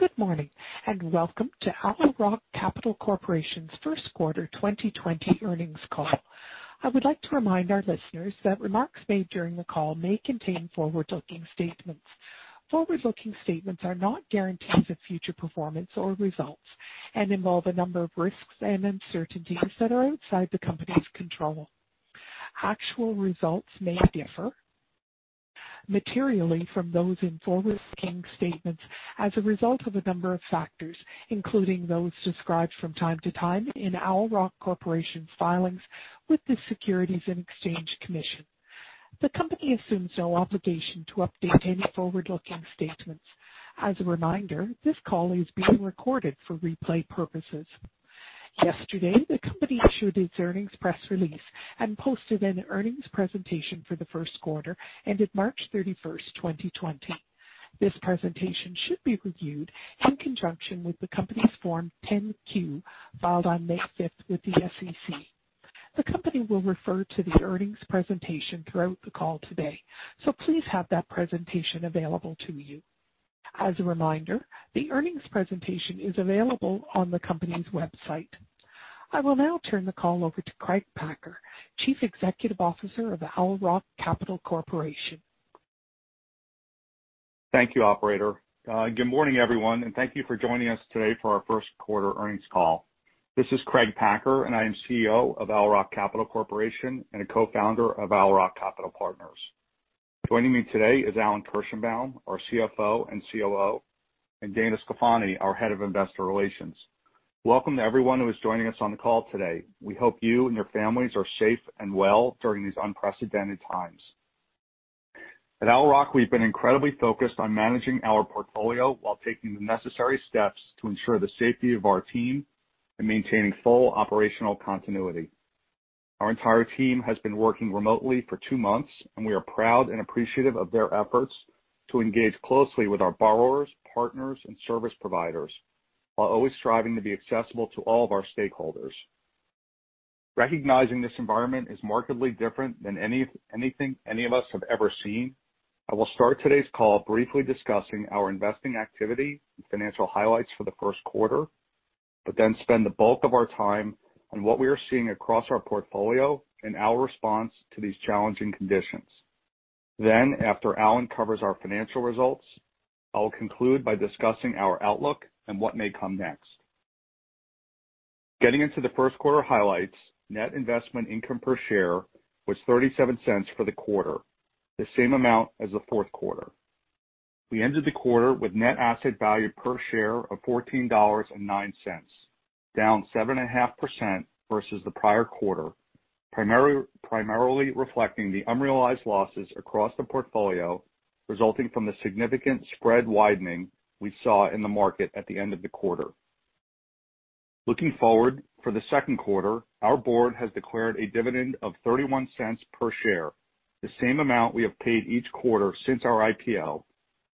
Good morning, and welcome to Owl Rock Capital Corporation's first quarter 2020 earnings call. I would like to remind our listeners that remarks made during the call may contain forward-looking statements. Forward-looking statements are not guarantees of future performance or results and involve a number of risks and uncertainties that are outside the company's control. Actual results may differ materially from those in forward-looking statements as a result of a number of factors, including those described from time to time in Owl Rock Capital Corporation's filings with the Securities and Exchange Commission. The company assumes no obligation to update any forward-looking statements. As a reminder, this call is being recorded for replay purposes. Yesterday, the company issued its earnings press release and posted an earnings presentation for the first quarter, ended March 31, 2020. This presentation should be reviewed in conjunction with the company's Form 10-Q, filed on May 5 with the SEC. The company will refer to the earnings presentation throughout the call today, so please have that presentation available to you. As a reminder, the earnings presentation is available on the company's website. I will now turn the call over to Craig Packer, Chief Executive Officer of Owl Rock Capital Corporation. Thank you, operator. Good morning, everyone, and thank you for joining us today for our first quarter earnings call. This is Craig Packer, and I am CEO of Owl Rock Capital Corporation and a co-founder of Owl Rock Capital Partners. Joining me today is Alan Kirshenbaum, our CFO and COO, and Dana Sclafani, our Head of Investor Relations. Welcome to everyone who is joining us on the call today. We hope you and your families are safe and well during these unprecedented times. At Owl Rock, we've been incredibly focused on managing our portfolio while taking the necessary steps to ensure the safety of our team and maintaining full operational continuity. Our entire team has been working remotely for two months, and we are proud and appreciative of their efforts to engage closely with our borrowers, partners, and service providers, while always striving to be accessible to all of our stakeholders. Recognizing this environment is markedly different than anything any of us have ever seen, I will start today's call briefly discussing our investing activity and financial highlights for the first quarter, but then spend the bulk of our time on what we are seeing across our portfolio and our response to these challenging conditions. Then, after Alan covers our financial results, I will conclude by discussing our outlook and what may come next. Getting into the first quarter highlights, net investment income per share was $0.37 for the quarter, the same amount as the fourth quarter. We ended the quarter with net asset value per share of $14.09, down 7.5% versus the prior quarter, primarily reflecting the unrealized losses across the portfolio, resulting from the significant spread widening we saw in the market at the end of the quarter. Looking forward, for the second quarter, our board has declared a dividend of $0.31 per share, the same amount we have paid each quarter since our IPO,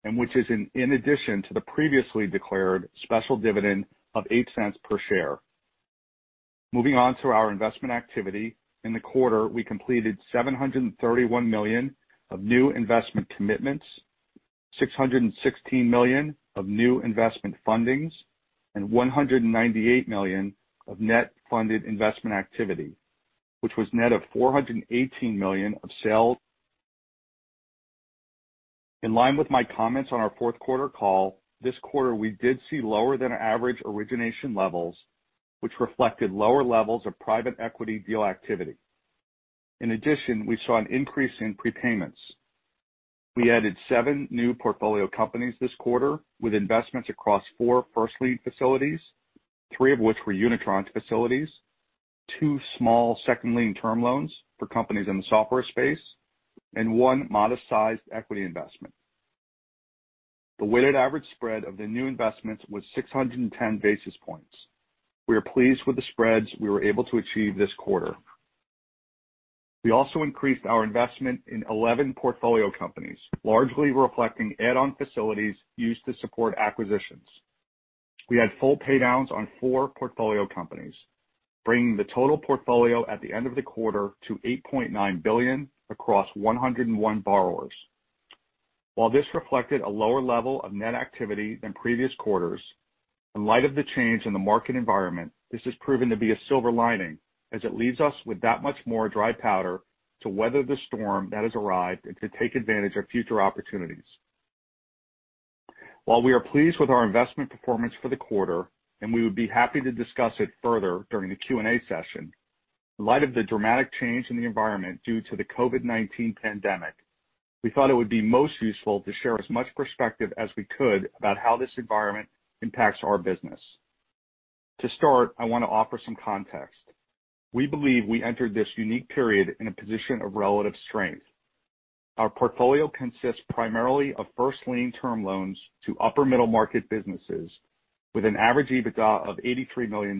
and which is in addition to the previously declared special dividend of $0.08 per share. Moving on to our investment activity. In the quarter, we completed $731 million of new investment commitments, $616 million of new investment fundings, and $198 million of net funded investment activity, which was net of $418 million of sales. In line with my comments on our fourth quarter call, this quarter we did see lower than average origination levels, which reflected lower levels of private equity deal activity. In addition, we saw an increase in prepayments. We added 7 new portfolio companies this quarter with investments across 4 first lien facilities, 3 of which were unitranche facilities, 2 small second lien term loans for companies in the software space, and 1 modest-sized equity investment. The weighted average spread of the new investments was 610 basis points. We are pleased with the spreads we were able to achieve this quarter. We also increased our investment in 11 portfolio companies, largely reflecting add-on facilities used to support acquisitions. We had full paydowns on 4 portfolio companies, bringing the total portfolio at the end of the quarter to $8.9 billion across 101 borrowers. While this reflected a lower level of net activity than previous quarters, in light of the change in the market environment, this has proven to be a silver lining as it leaves us with that much more dry powder to weather the storm that has arrived and to take advantage of future opportunities. While we are pleased with our investment performance for the quarter, and we would be happy to discuss it further during the Q&A session, in light of the dramatic change in the environment due to the COVID-19 pandemic, we thought it would be most useful to share as much perspective as we could about how this environment impacts our business. To start, I want to offer some context. We believe we entered this unique period in a position of relative strength. Our portfolio consists primarily of first lien term loans to upper middle-market businesses with an average EBITDA of $83 million.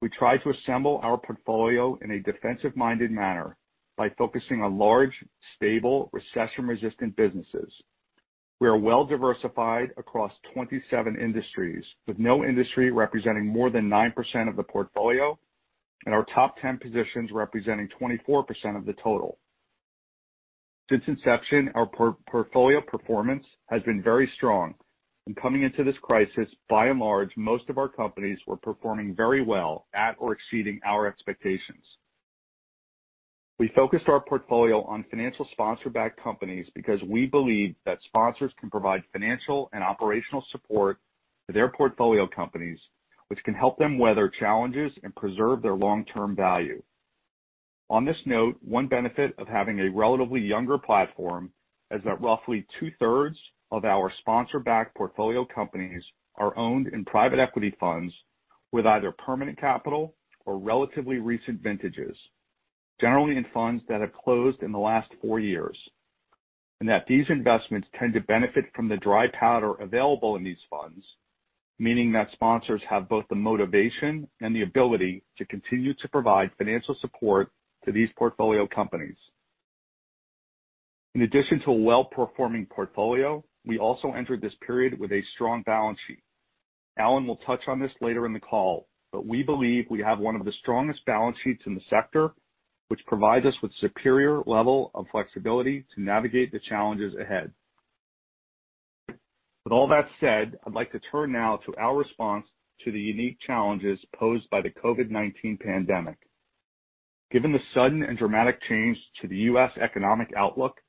We try to assemble our portfolio in a defensive-minded manner by focusing on large, stable, recession-resistant businesses. We are well diversified across 27 industries, with no industry representing more than 9% of the portfolio and our top 10 positions representing 24% of the total. Since inception, our portfolio performance has been very strong, and coming into this crisis, by and large, most of our companies were performing very well, at or exceeding our expectations. We focused our portfolio on financial sponsor-backed companies because we believe that sponsors can provide financial and operational support to their portfolio companies, which can help them weather challenges and preserve their long-term value. On this note, one benefit of having a relatively younger platform is that roughly two-thirds of our sponsor-backed portfolio companies are owned in private equity funds with either permanent capital or relatively recent vintages, generally in funds that have closed in the last four years, and that these investments tend to benefit from the dry powder available in these funds, meaning that sponsors have both the motivation and the ability to continue to provide financial support to these portfolio companies. In addition to a well-performing portfolio, we also entered this period with a strong balance sheet. Alan will touch on this later in the call, but we believe we have one of the strongest balance sheets in the sector, which provides us with superior level of flexibility to navigate the challenges ahead. With all that said, I'd like to turn now to our response to the unique challenges posed by the COVID-19 pandemic. Given the sudden and dramatic change to the U.S. economic outlook,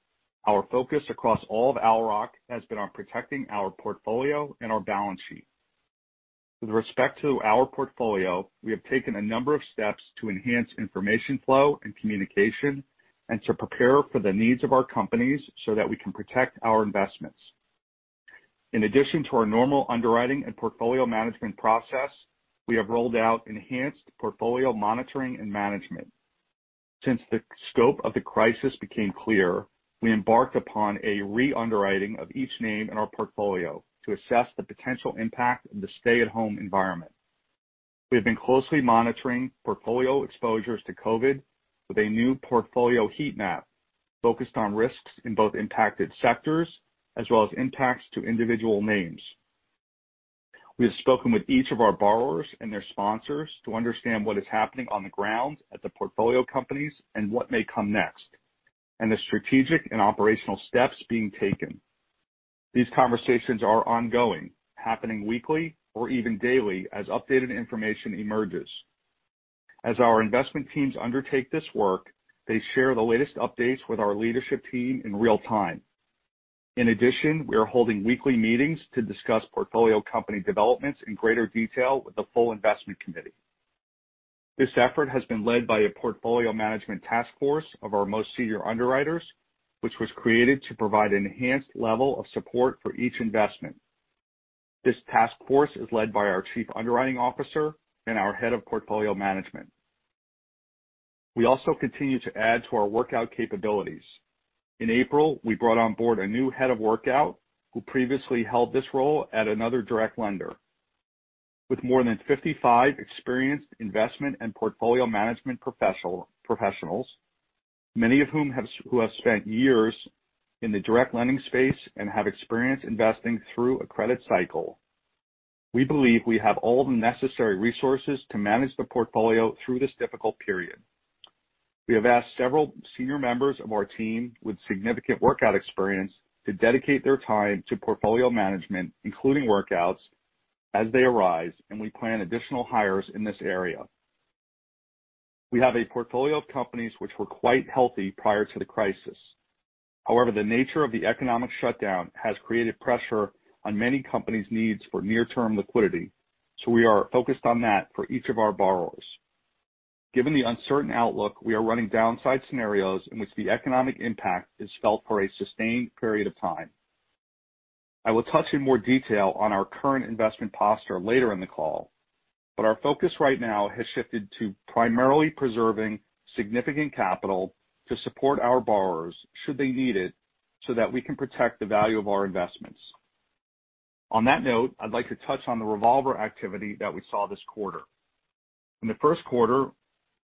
our focus across all of Owl Rock has been on protecting our portfolio and our balance sheet. With respect to our portfolio, we have taken a number of steps to enhance information flow and communication, and to prepare for the needs of our companies so that we can protect our investments. In addition to our normal underwriting and portfolio management process, we have rolled out enhanced portfolio monitoring and management. Since the scope of the crisis became clear, we embarked upon a re-underwriting of each name in our portfolio to assess the potential impact of the stay-at-home environment. We have been closely monitoring portfolio exposures to COVID with a new portfolio heat map focused on risks in both impacted sectors, as well as impacts to individual names. We have spoken with each of our borrowers and their sponsors to understand what is happening on the ground at the portfolio companies and what may come next, and the strategic and operational steps being taken. These conversations are ongoing, happening weekly or even daily, as updated information emerges. As our investment teams undertake this work, they share the latest updates with our leadership team in real time. In addition, we are holding weekly meetings to discuss portfolio company developments in greater detail with the full investment committee. This effort has been led by a portfolio management task force of our most senior underwriters, which was created to provide an enhanced level of support for each investment. This task force is led by our Chief Underwriting Officer and our Head of Portfolio Management. We also continue to add to our workout capabilities. In April, we brought on board a new Head of Workout, who previously held this role at another direct lender. With more than 55 experienced investment and portfolio management professionals, many of whom who have spent years in the direct lending space and have experience investing through a credit cycle, we believe we have all the necessary resources to manage the portfolio through this difficult period. We have asked several senior members of our team with significant workout experience to dedicate their time to portfolio management, including workouts, as they arise, and we plan additional hires in this area. We have a portfolio of companies which were quite healthy prior to the crisis. However, the nature of the economic shutdown has created pressure on many companies' needs for near-term liquidity, so we are focused on that for each of our borrowers. Given the uncertain outlook, we are running downside scenarios in which the economic impact is felt for a sustained period of time. I will touch in more detail on our current investment posture later in the call, but our focus right now has shifted to primarily preserving significant capital to support our borrowers should they need it, so that we can protect the value of our investments. On that note, I'd like to touch on the revolver activity that we saw this quarter. In the first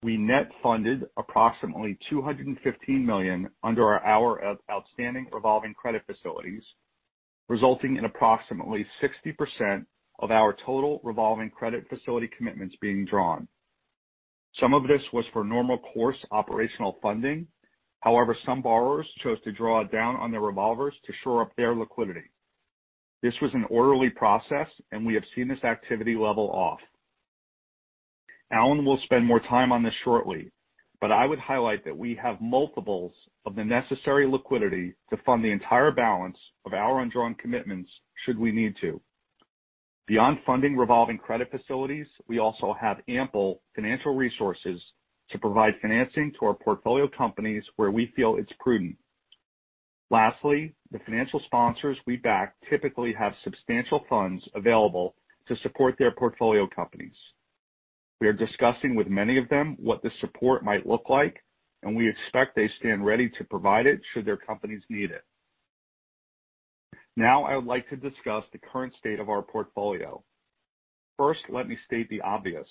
quarter, we net funded approximately $215 million under our portfolio of outstanding revolving credit facilities, resulting in approximately 60% of our total revolving credit facility commitments being drawn. Some of this was for normal course operational funding. However, some borrowers chose to draw down on their revolvers to shore up their liquidity. This was an orderly process, and we have seen this activity level off. Alan will spend more time on this shortly, but I would highlight that we have multiples of the necessary liquidity to fund the entire balance of our undrawn commitments, should we need to. Beyond funding revolving credit facilities, we also have ample financial resources to provide financing to our portfolio companies where we feel it's prudent. Lastly, the financial sponsors we back typically have substantial funds available to support their portfolio companies. We are discussing with many of them what this support might look like, and we expect they stand ready to provide it should their companies need it. Now, I would like to discuss the current state of our portfolio. First, let me state the obvious: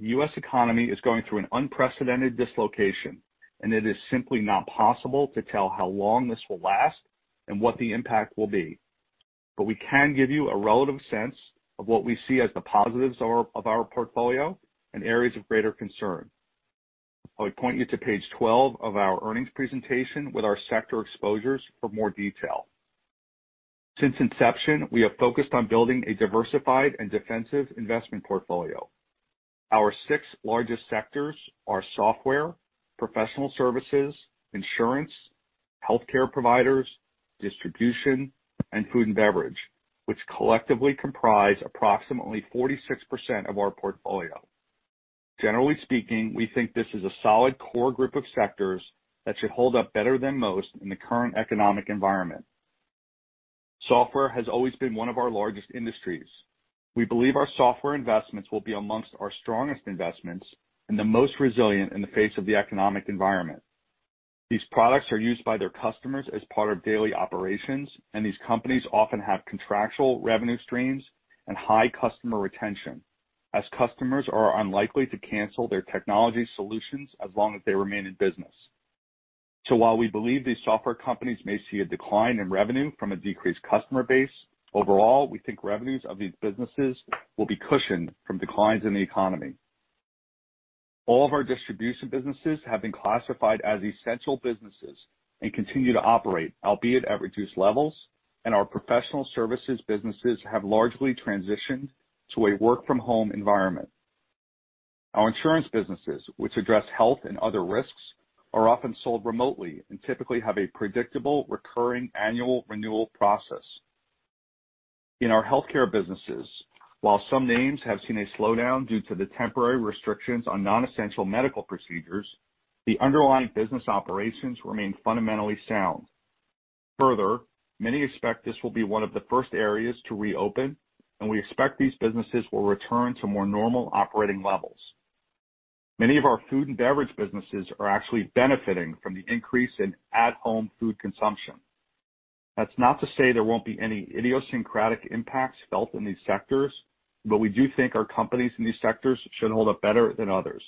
the U.S. economy is going through an unprecedented dislocation, and it is simply not possible to tell how long this will last and what the impact will be.... but we can give you a relative sense of what we see as the positives of our, of our portfolio and areas of greater concern. I would point you to page 12 of our earnings presentation with our sector exposures for more detail. Since inception, we have focused on building a diversified and defensive investment portfolio. Our six largest sectors are software, professional services, insurance, healthcare providers, distribution, and food and beverage, which collectively comprise approximately 46% of our portfolio. Generally speaking, we think this is a solid core group of sectors that should hold up better than most in the current economic environment. Software has always been one of our largest industries. We believe our software investments will be among our strongest investments and the most resilient in the face of the economic environment. These products are used by their customers as part of daily operations, and these companies often have contractual revenue streams and high customer retention, as customers are unlikely to cancel their technology solutions as long as they remain in business. So while we believe these software companies may see a decline in revenue from a decreased customer base, overall, we think revenues of these businesses will be cushioned from declines in the economy. All of our distribution businesses have been classified as essential businesses and continue to operate, albeit at reduced levels, and our professional services businesses have largely transitioned to a work-from-home environment. Our insurance businesses, which address health and other risks, are often sold remotely and typically have a predictable, recurring annual renewal process. In our healthcare businesses, while some names have seen a slowdown due to the temporary restrictions on non-essential medical procedures, the underlying business operations remain fundamentally sound. Further, many expect this will be one of the first areas to reopen, and we expect these businesses will return to more normal operating levels. Many of our food and beverage businesses are actually benefiting from the increase in at-home food consumption. That's not to say there won't be any idiosyncratic impacts felt in these sectors, but we do think our companies in these sectors should hold up better than others.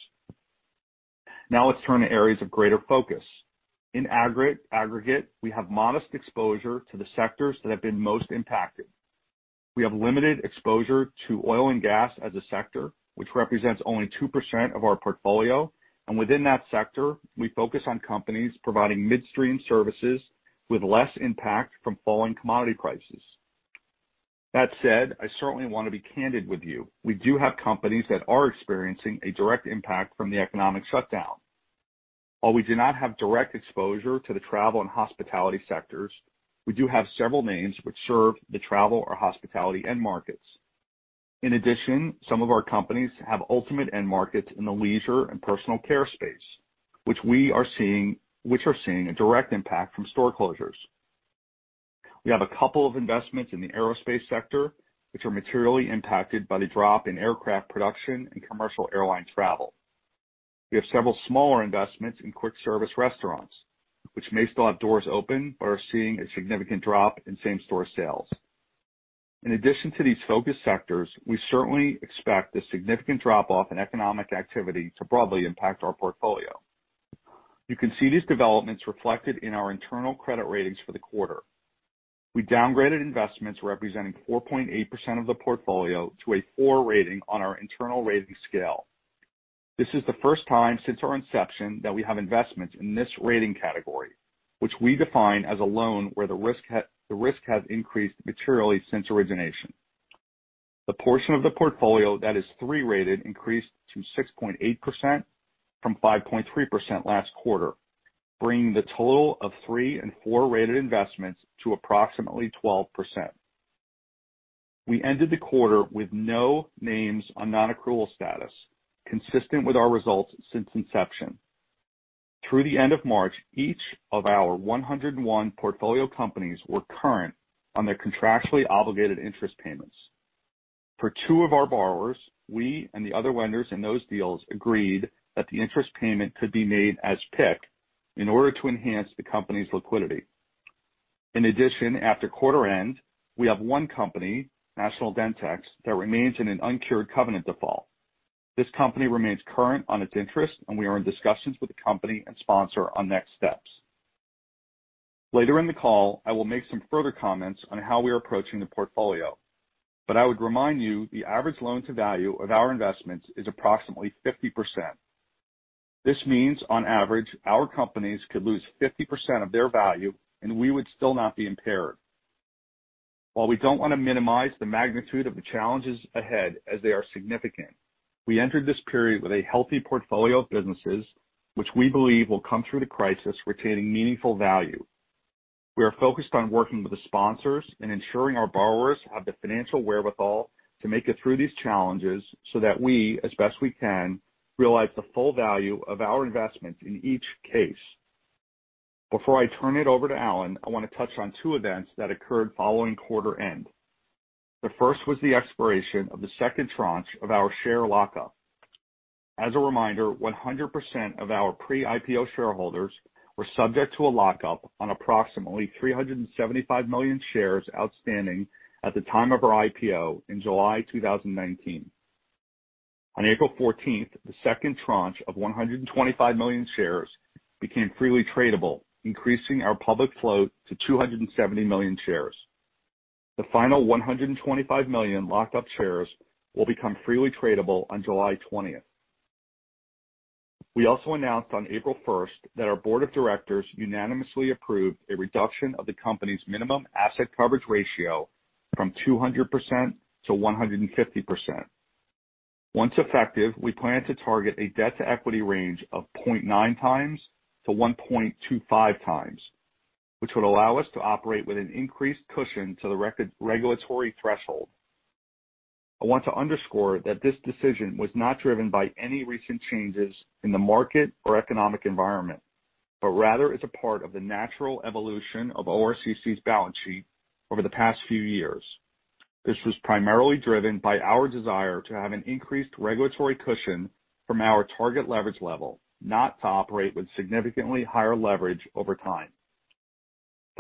Now, let's turn to areas of greater focus. In aggregate, we have modest exposure to the sectors that have been most impacted. We have limited exposure to oil and gas as a sector, which represents only 2% of our portfolio, and within that sector, we focus on companies providing midstream services with less impact from falling commodity prices. That said, I certainly want to be candid with you. We do have companies that are experiencing a direct impact from the economic shutdown. While we do not have direct exposure to the travel and hospitality sectors, we do have several names which serve the travel or hospitality end markets. In addition, some of our companies have ultimate end markets in the leisure and personal care space, which we are seeing, which are seeing a direct impact from store closures. We have a couple of investments in the aerospace sector, which are materially impacted by the drop in aircraft production and commercial airline travel. We have several smaller investments in quick service restaurants, which may still have doors open, but are seeing a significant drop in same-store sales. In addition to these focused sectors, we certainly expect the significant drop-off in economic activity to broadly impact our portfolio. You can see these developments reflected in our internal credit ratings for the quarter. We downgraded investments representing 4.8% of the portfolio to a 4 rating on our internal rating scale. This is the first time since our inception that we have investments in this rating category, which we define as a loan where the risk has increased materially since origination. The portion of the portfolio that is 3-rated increased to 6.8% from 5.3% last quarter, bringing the total of 3- and 4-rated investments to approximately 12%. We ended the quarter with no names on non-accrual status, consistent with our results since inception. Through the end of March, each of our 101 portfolio companies were current on their contractually obligated interest payments. For two of our borrowers, we and the other lenders in those deals agreed that the interest payment could be made as PIK in order to enhance the company's liquidity. In addition, after quarter end, we have one company, National Dentex, that remains in an uncured covenant default. This company remains current on its interest, and we are in discussions with the company and sponsor on next steps. Later in the call, I will make some further comments on how we are approaching the portfolio, but I would remind you, the average loan-to-value of our investments is approximately 50%. This means, on average, our companies could lose 50% of their value, and we would still not be impaired. While we don't want to minimize the magnitude of the challenges ahead, as they are significant, we entered this period with a healthy portfolio of businesses, which we believe will come through the crisis retaining meaningful value. We are focused on working with the sponsors and ensuring our borrowers have the financial wherewithal to make it through these challenges so that we, as best we can, realize the full value of our investments in each case. Before I turn it over to Alan, I want to touch on two events that occurred following quarter end. The first was the expiration of the second tranche of our share lockup. As a reminder, 100% of our pre-IPO shareholders were subject to a lockup on approximately 375 million shares outstanding at the time of our IPO in July 2019. On April 14, the second tranche of 125 million shares became freely tradable, increasing our public float to 270 million shares. The final 125 million locked up shares will become freely tradable on July 20. We also announced on April 1 that our board of directors unanimously approved a reduction of the company's minimum Asset Coverage Ratio from 200% to 150%. Once effective, we plan to target a debt to equity range of 0.9x-1.25x, which would allow us to operate with an increased cushion to the regulatory threshold. I want to underscore that this decision was not driven by any recent changes in the market or economic environment, but rather is a part of the natural evolution of ORCC's balance sheet over the past few years. This was primarily driven by our desire to have an increased regulatory cushion from our target leverage level, not to operate with significantly higher leverage over time.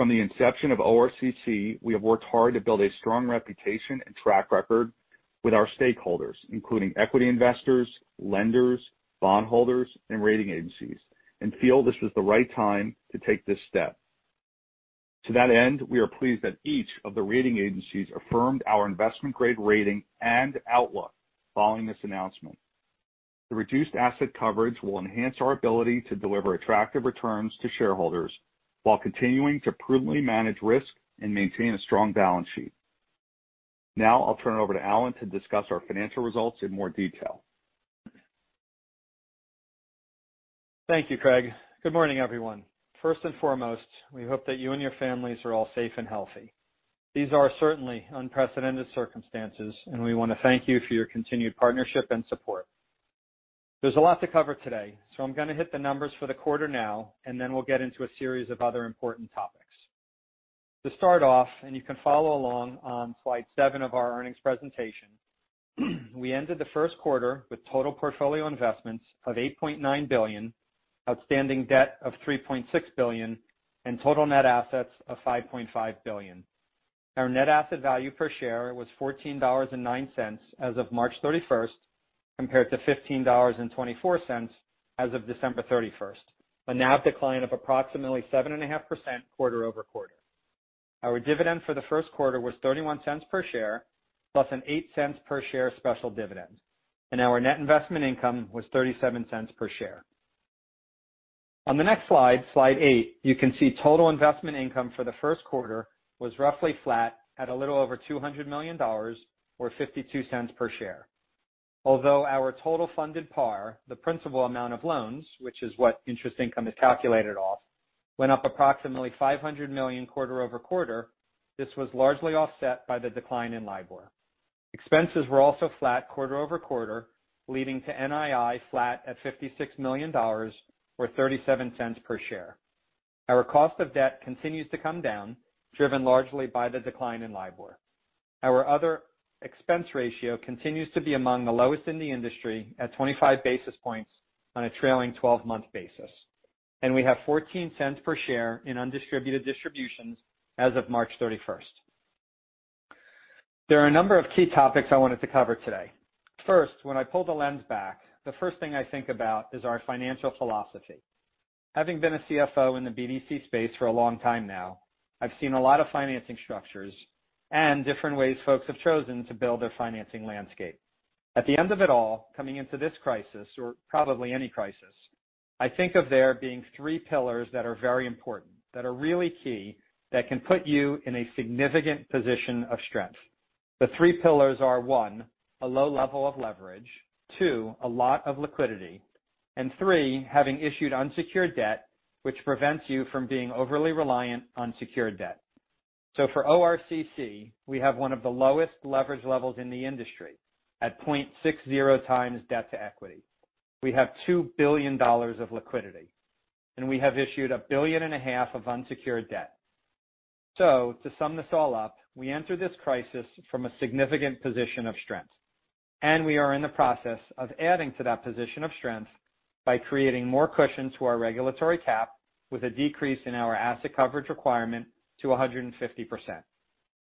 From the inception of ORCC, we have worked hard to build a strong reputation and track record with our stakeholders, including equity investors, lenders, bondholders, and rating agencies, and feel this was the right time to take this step. To that end, we are pleased that each of the rating agencies affirmed our investment grade rating and outlook following this announcement. The reduced asset coverage will enhance our ability to deliver attractive returns to shareholders while continuing to prudently manage risk and maintain a strong balance sheet. Now I'll turn it over to Alan to discuss our financial results in more detail. Thank you, Craig. Good morning, everyone. First and foremost, we hope that you and your families are all safe and healthy. These are certainly unprecedented circumstances, and we want to thank you for your continued partnership and support. There's a lot to cover today, so I'm going to hit the numbers for the quarter now, and then we'll get into a series of other important topics. To start off, you can follow along on slide seven of our earnings presentation, we ended the first quarter with total portfolio investments of $8.9 billion, outstanding debt of $3.6 billion, and total net assets of $5.5 billion. Our net asset value per share was $14.09 as of March 31st, compared to $15.24 as of December 31st, a NAV decline of approximately 7.5% quarter-over-quarter. Our dividend for the first quarter was $0.31 per share, plus an $0.08 per share special dividend, and our net investment income was $0.37 per share. On the next slide, Slide 8, you can see total investment income for the first quarter was roughly flat at a little over $200 million or $0.52 per share. Although our total funded par, the principal amount of loans, which is what interest income is calculated off, went up approximately $500 million quarter-over-quarter, this was largely offset by the decline in LIBOR. Expenses were also flat quarter-over-quarter, leading to NII flat at $56 million or 37 cents per share. Our cost of debt continues to come down, driven largely by the decline in LIBOR. Our other expense ratio continues to be among the lowest in the industry at 25 basis points on a trailing 12-month basis, and we have 14 cents per share in undistributed distributions as of March 31. There are a number of key topics I wanted to cover today. First, when I pull the lens back, the first thing I think about is our financial philosophy. Having been a CFO in the BDC space for a long time now, I've seen a lot of financing structures and different ways folks have chosen to build their financing landscape. At the end of it all, coming into this crisis, or probably any crisis, I think of there being three pillars that are very important, that are really key, that can put you in a significant position of strength. The three pillars are, one, a low level of leverage, two, a lot of liquidity, and three, having issued unsecured debt, which prevents you from being overly reliant on secured debt. So for ORCC, we have one of the lowest leverage levels in the industry at 0.60x debt to equity. We have $2 billion of liquidity, and we have issued $1.5 billion of unsecured debt. So to sum this all up, we enter this crisis from a significant position of strength, and we are in the process of adding to that position of strength by creating more cushion to our regulatory cap with a decrease in our asset coverage requirement to 150%.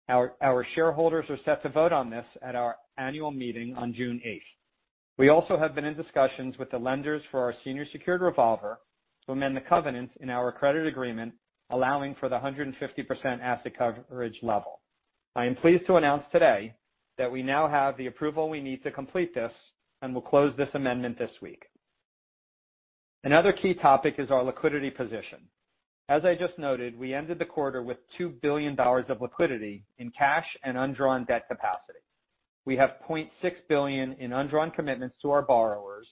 Our shareholders are set to vote on this at our annual meeting on June 8. We also have been in discussions with the lenders for our senior secured revolver to amend the covenants in our credit agreement, allowing for the 150% asset coverage level. I am pleased to announce today that we now have the approval we need to complete this, and we'll close this amendment this week. Another key topic is our liquidity position. As I just noted, we ended the quarter with $2 billion of liquidity in cash and undrawn debt capacity. We have $0.6 billion in undrawn commitments to our borrowers,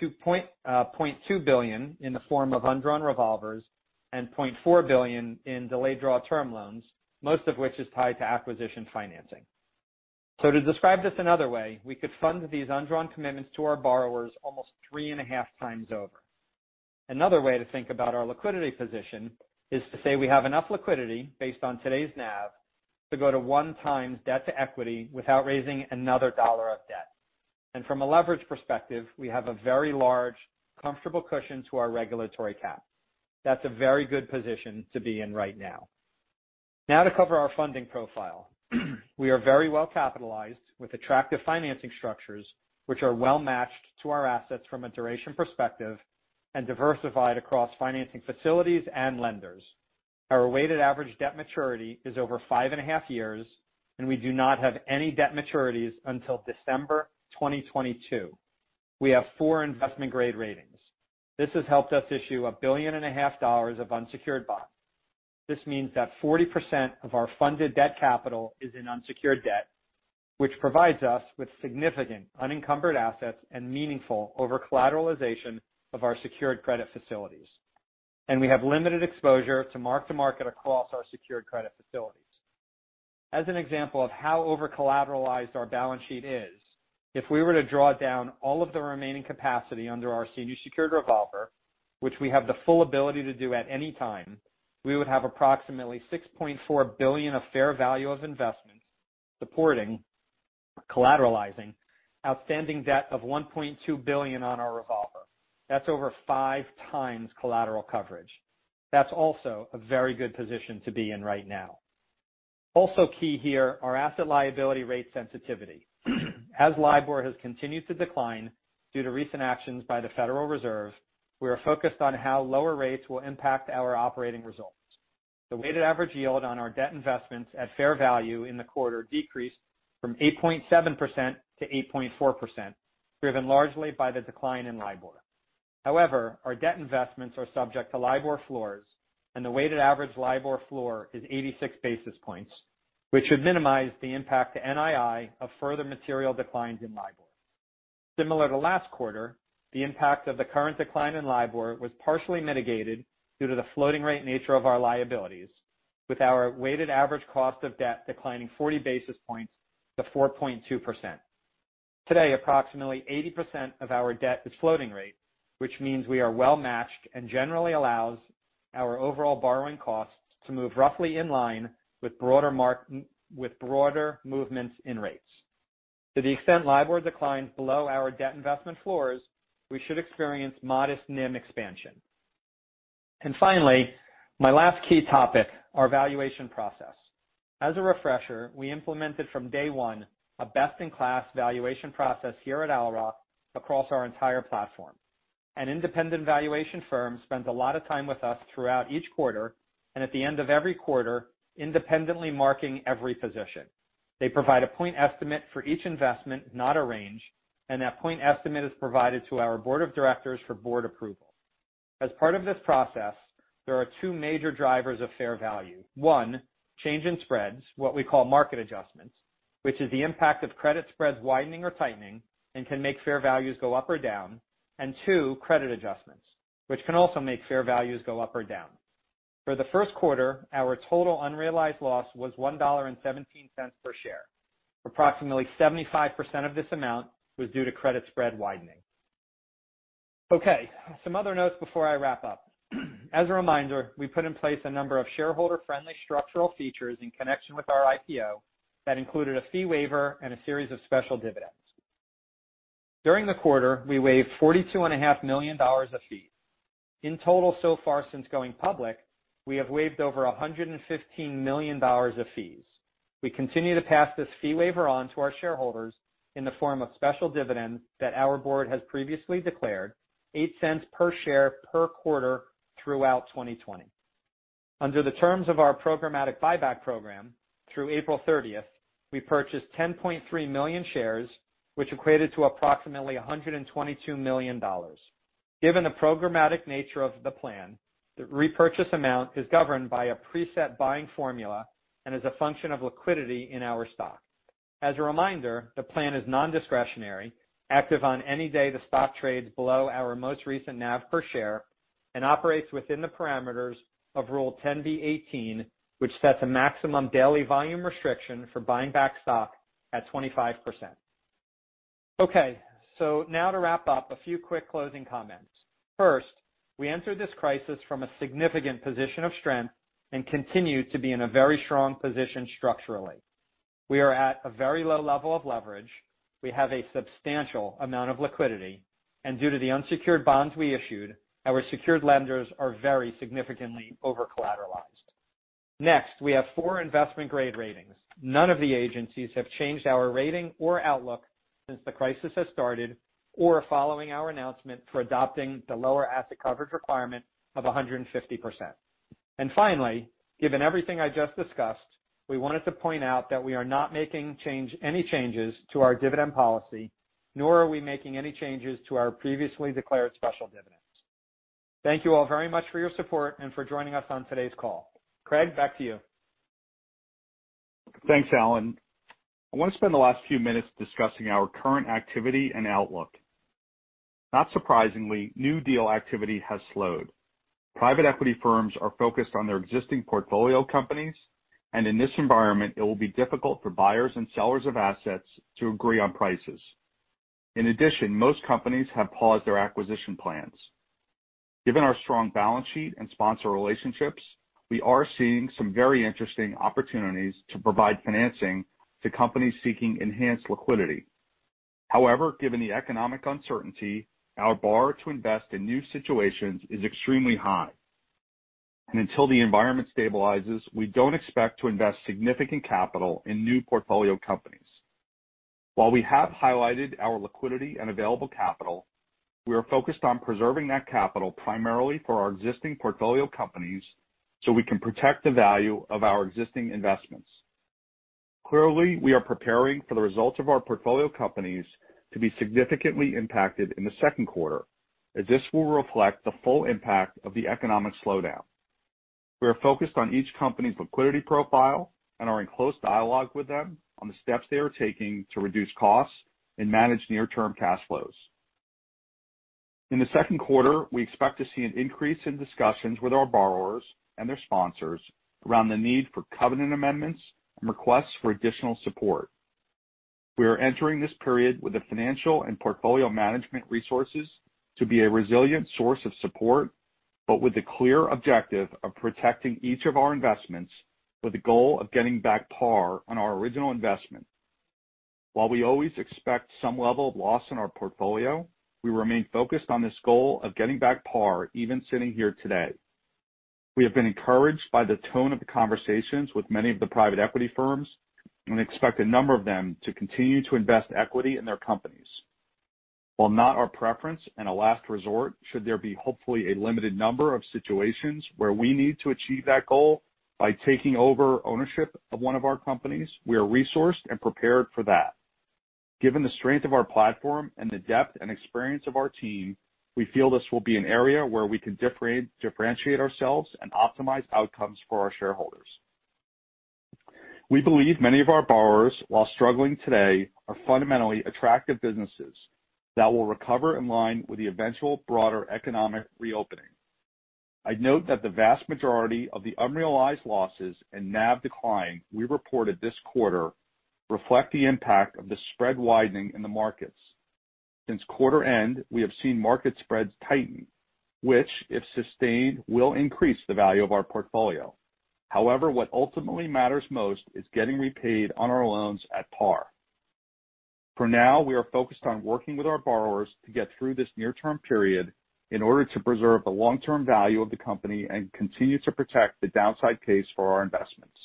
to $0.2 billion in the form of undrawn revolvers and $0.4 billion in delayed draw term loans, most of which is tied to acquisition financing. So to describe this another way, we could fund these undrawn commitments to our borrowers almost 3.5 times over. Another way to think about our liquidity position is to say we have enough liquidity based on today's NAV, to go to 1x debt to equity without raising another dollar of debt. From a leverage perspective, we have a very large, comfortable cushion to our regulatory cap. That's a very good position to be in right now. Now to cover our funding profile. We are very well capitalized with attractive financing structures, which are well-matched to our assets from a duration perspective and diversified across financing facilities and lenders. Our weighted average debt maturity is over 5.5 years, and we do not have any debt maturities until December 2022. We have four investment grade ratings. This has helped us issue $1.5 billion of unsecured bonds. This means that 40% of our funded debt capital is in unsecured debt, which provides us with significant unencumbered assets and meaningful over-collateralization of our secured credit facilities. And we have limited exposure to mark-to-market across our secured credit facilities. As an example of how over-collateralized our balance sheet is, if we were to draw down all of the remaining capacity under our senior secured revolver, which we have the full ability to do at any time, we would have approximately $6.4 billion of fair value of investments supporting, collateralizing outstanding debt of $1.2 billion on our revolver. That's over 5 times collateral coverage. That's also a very good position to be in right now. Also key here, our asset liability rate sensitivity. As LIBOR has continued to decline due to recent actions by the Federal Reserve, we are focused on how lower rates will impact our operating results. The weighted average yield on our debt investments at fair value in the quarter decreased from 8.7% to 8.4%, driven largely by the decline in LIBOR. However, our debt investments are subject to LIBOR floors, and the weighted average LIBOR floor is 86 basis points, which should minimize the impact to NII of further material declines in LIBOR. Similar to last quarter, the impact of the current decline in LIBOR was partially mitigated due to the floating rate nature of our liabilities, with our weighted average cost of debt declining 40 basis points to 4.2%. Today, approximately 80% of our debt is floating rate, which means we are well matched and generally allows our overall borrowing costs to move roughly in line with broader movements in rates. To the extent LIBOR declines below our debt investment floors, we should experience modest NIM expansion. And finally, my last key topic, our valuation process. As a refresher, we implemented from day one a best-in-class valuation process here at Owl Rock across our entire platform. An independent valuation firm spends a lot of time with us throughout each quarter, and at the end of every quarter, independently marking every position. They provide a point estimate for each investment, not a range, and that point estimate is provided to our board of directors for board approval. As part of this process, there are two major drivers of fair value. One, change in spreads, what we call market adjustments, which is the impact of credit spreads widening or tightening and can make fair values go up or down. And two, credit adjustments, which can also make fair values go up or down. For the first quarter, our total unrealized loss was $1.17 per share. Approximately 75% of this amount was due to credit spread widening. Okay, some other notes before I wrap up. As a reminder, we put in place a number of shareholder-friendly structural features in connection with our IPO that included a fee waiver and a series of special dividends. During the quarter, we waived $42.5 million of fees. In total, so far since going public, we have waived over $115 million of fees. We continue to pass this fee waiver on to our shareholders in the form of special dividends that our board has previously declared $0.08 per share per quarter throughout 2020. Under the terms of our programmatic buyback program, through April 30th, we purchased 10.3 million shares, which equated to approximately $122 million. Given the programmatic nature of the plan, the repurchase amount is governed by a preset buying formula and is a function of liquidity in our stock. As a reminder, the plan is non-discretionary, active on any day the stock trades below our most recent NAV per share, and operates within the parameters of Rule 10b-18, which sets a maximum daily volume restriction for buying back stock at 25%. Okay, so now to wrap up, a few quick closing comments. First, we entered this crisis from a significant position of strength and continue to be in a very strong position structurally. We are at a very low level of leverage. We have a substantial amount of liquidity, and due to the unsecured bonds we issued, our secured lenders are very significantly over-collateralized. Next, we have four investment grade ratings. None of the agencies have changed our rating or outlook since the crisis has started or following our announcement for adopting the lower asset coverage requirement of 150%. And finally, given everything I just discussed, we wanted to point out that we are not making any changes to our dividend policy, nor are we making any changes to our previously declared special dividends. Thank you all very much for your support and for joining us on today's call. Craig, back to you. Thanks, Alan. I want to spend the last few minutes discussing our current activity and outlook. Not surprisingly, new deal activity has slowed. Private equity firms are focused on their existing portfolio companies, and in this environment, it will be difficult for buyers and sellers of assets to agree on prices. In addition, most companies have paused their acquisition plans. Given our strong balance sheet and sponsor relationships, we are seeing some very interesting opportunities to provide financing to companies seeking enhanced liquidity. However, given the economic uncertainty, our bar to invest in new situations is extremely high. Until the environment stabilizes, we don't expect to invest significant capital in new portfolio companies. While we have highlighted our liquidity and available capital, we are focused on preserving that capital primarily for our existing portfolio companies, so we can protect the value of our existing investments. Clearly, we are preparing for the results of our portfolio companies to be significantly impacted in the second quarter, as this will reflect the full impact of the economic slowdown. We are focused on each company's liquidity profile and are in close dialogue with them on the steps they are taking to reduce costs and manage near-term cash flows. In the second quarter, we expect to see an increase in discussions with our borrowers and their sponsors around the need for covenant amendments and requests for additional support. We are entering this period with the financial and portfolio management resources to be a resilient source of support, but with the clear objective of protecting each of our investments with the goal of getting back par on our original investment. While we always expect some level of loss in our portfolio, we remain focused on this goal of getting back par, even sitting here today. We have been encouraged by the tone of the conversations with many of the private equity firms and expect a number of them to continue to invest equity in their companies. While not our preference and a last resort, should there be hopefully a limited number of situations where we need to achieve that goal by taking over ownership of one of our companies, we are resourced and prepared for that. Given the strength of our platform and the depth and experience of our team, we feel this will be an area where we can differentiate ourselves and optimize outcomes for our shareholders. We believe many of our borrowers, while struggling today, are fundamentally attractive businesses that will recover in line with the eventual broader economic reopening. I'd note that the vast majority of the unrealized losses and NAV decline we reported this quarter reflect the impact of the spread widening in the markets. Since quarter end, we have seen market spreads tighten, which, if sustained, will increase the value of our portfolio. However, what ultimately matters most is getting repaid on our loans at par. For now, we are focused on working with our borrowers to get through this near-term period in order to preserve the long-term value of the company and continue to protect the downside case for our investments.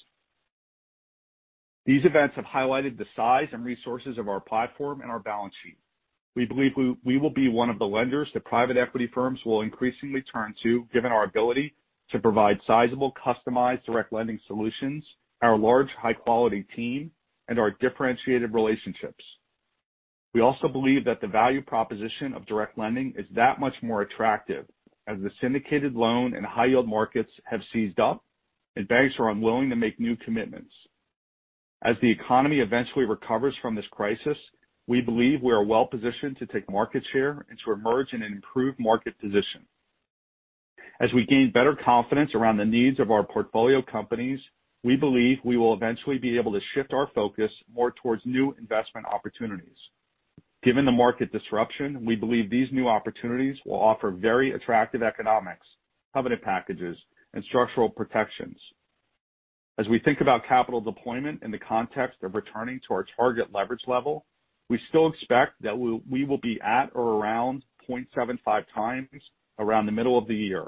These events have highlighted the size and resources of our platform and our balance sheet. We believe we will be one of the lenders that private equity firms will increasingly turn to, given our ability to provide sizable, customized direct lending solutions, our large, high-quality team, and our differentiated relationships. We also believe that the value proposition of direct lending is that much more attractive, as the syndicated loan and high-yield markets have seized up, and banks are unwilling to make new commitments. As the economy eventually recovers from this crisis, we believe we are well positioned to take market share and to emerge in an improved market position. As we gain better confidence around the needs of our portfolio companies, we believe we will eventually be able to shift our focus more towards new investment opportunities. Given the market disruption, we believe these new opportunities will offer very attractive economics, covenant packages, and structural protections. As we think about capital deployment in the context of returning to our target leverage level, we still expect that we will be at or around 0.75 times around the middle of the year.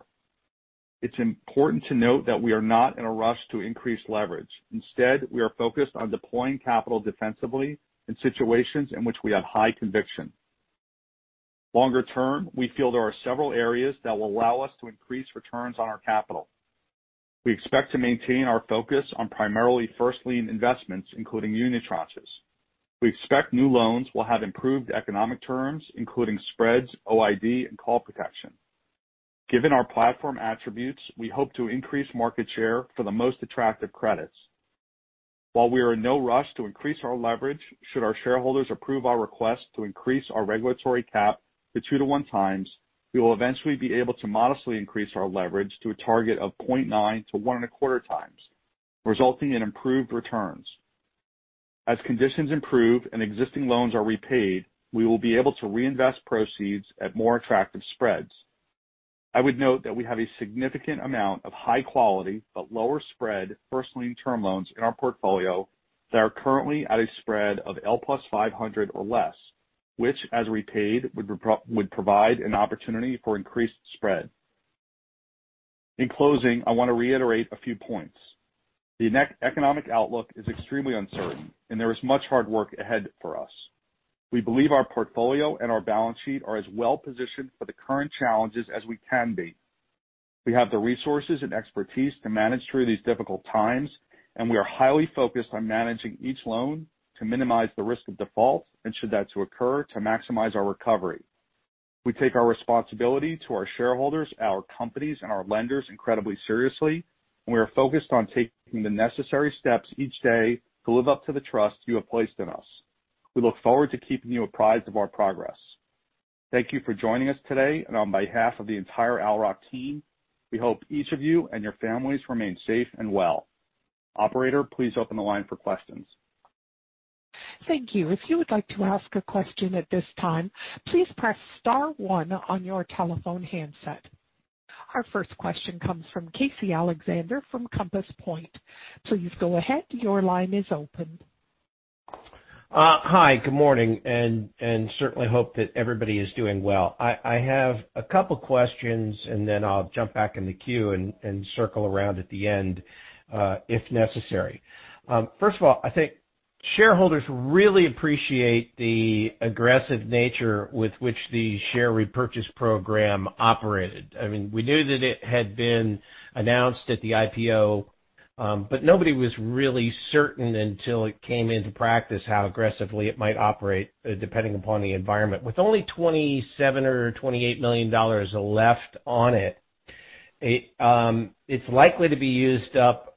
It's important to note that we are not in a rush to increase leverage. Instead, we are focused on deploying capital defensively in situations in which we have high conviction. Longer term, we feel there are several areas that will allow us to increase returns on our capital. We expect to maintain our focus on primarily first-lien investments, including unitranches. We expect new loans will have improved economic terms, including spreads, OID, and call protection. Given our platform attributes, we hope to increase market share for the most attractive credits. While we are in no rush to increase our leverage, should our shareholders approve our request to increase our regulatory cap to 2-to-1 times, we will eventually be able to modestly increase our leverage to a target of 0.9-to-1.25 times, resulting in improved returns. As conditions improve and existing loans are repaid, we will be able to reinvest proceeds at more attractive spreads. I would note that we have a significant amount of high quality, but lower spread first lien term loans in our portfolio that are currently at a spread of L+500 or less, which, as repaid, would provide an opportunity for increased spread. In closing, I want to reiterate a few points. The economic outlook is extremely uncertain, and there is much hard work ahead for us. We believe our portfolio and our balance sheet are as well positioned for the current challenges as we can be. We have the resources and expertise to manage through these difficult times, and we are highly focused on managing each loan to minimize the risk of default, and should that occur, to maximize our recovery. We take our responsibility to our shareholders, our companies, and our lenders incredibly seriously, and we are focused on taking the necessary steps each day to live up to the trust you have placed in us. We look forward to keeping you apprised of our progress. Thank you for joining us today, and on behalf of the entire Owl Rock team, we hope each of you and your families remain safe and well. Operator, please open the line for questions. Thank you. If you would like to ask a question at this time, please press star one on your telephone handset.... Our first question comes from Casey Alexander from Compass Point. Please go ahead. Your line is open. Hi, good morning, and certainly hope that everybody is doing well. I have a couple questions, and then I'll jump back in the queue and circle around at the end, if necessary. First of all, I think shareholders really appreciate the aggressive nature with which the share repurchase program operated. I mean, we knew that it had been announced at the IPO, but nobody was really certain until it came into practice, how aggressively it might operate, depending upon the environment. With only $27 million or $28 million left on it, it's likely to be used up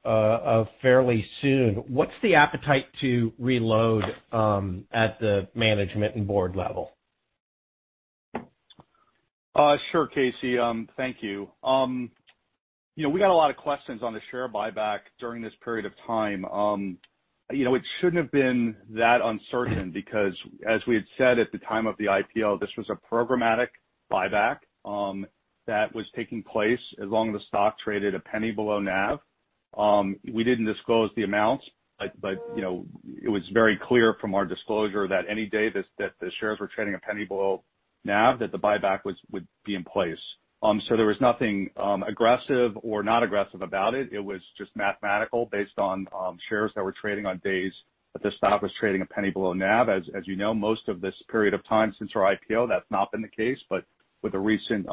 fairly soon. What's the appetite to reload at the management and board level? Sure, Casey, thank you. You know, we got a lot of questions on the share buyback during this period of time. You know, it shouldn't have been that uncertain, because as we had said at the time of the IPO, this was a programmatic buyback that was taking place as long as the stock traded a penny below NAV. We didn't disclose the amounts, but, you know, it was very clear from our disclosure that any day that the shares were trading a penny below NAV, that the buyback would be in place. So there was nothing aggressive or not aggressive about it. It was just mathematical, based on shares that were trading on days that the stock was trading a penny below NAV. As you know, most of this period of time since our IPO, that's not been the case, but with the recent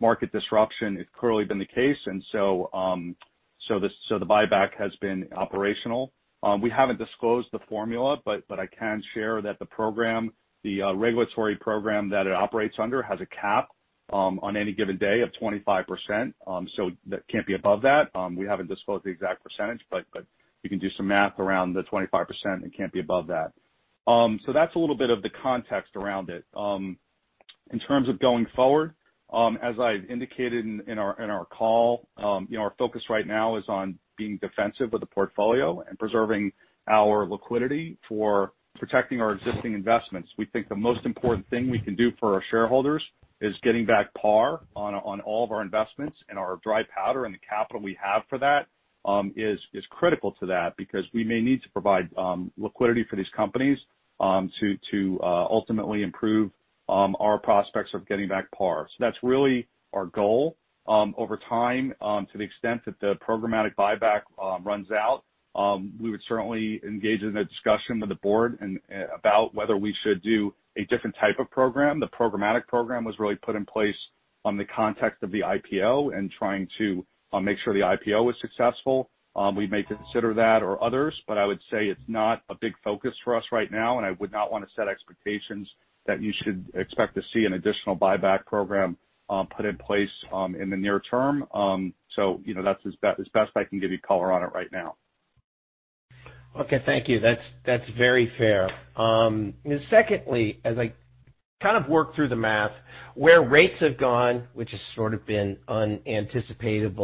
market disruption, it's clearly been the case. So the buyback has been operational. We haven't disclosed the formula, but I can share that the program, the regulatory program that it operates under, has a cap on any given day of 25%. So that can't be above that. We haven't disclosed the exact percentage, but you can do some math around the 25%, it can't be above that. So that's a little bit of the context around it. In terms of going forward, as I've indicated in our call, you know, our focus right now is on being defensive with the portfolio and preserving our liquidity for protecting our existing investments. We think the most important thing we can do for our shareholders is getting back par on all of our investments, and our dry powder and the capital we have for that is critical to that, because we may need to provide liquidity for these companies to ultimately improve our prospects of getting back par. So that's really our goal. Over time, to the extent that the programmatic buyback runs out, we would certainly engage in a discussion with the board and about whether we should do a different type of program. The programmatic program was really put in place in the context of the IPO and trying to make sure the IPO was successful. We may consider that or others, but I would say it's not a big focus for us right now, and I would not want to set expectations that you should expect to see an additional buyback program put in place in the near term. So, you know, that's as best I can give you color on it right now. Okay. Thank you. That's, that's very fair. Secondly, as I kind of work through the math, where rates have gone, which has sort of been unanticipated,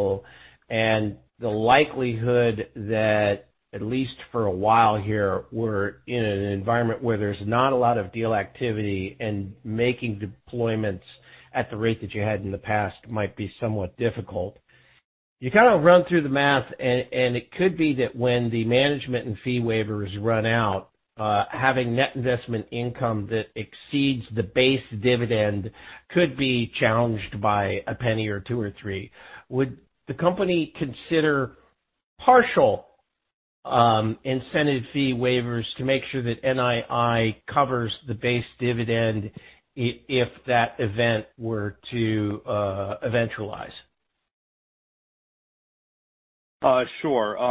and the likelihood that, at least for a while here, we're in an environment where there's not a lot of deal activity, and making deployments at the rate that you had in the past might be somewhat difficult. You kind of run through the math and, and it could be that when the management and fee waivers run out, having net investment income that exceeds the base dividend could be challenged by a penny or two or three. Would the company consider partial, incentive fee waivers to make sure that NII covers the base dividend if that event were to, eventualize? Sure. So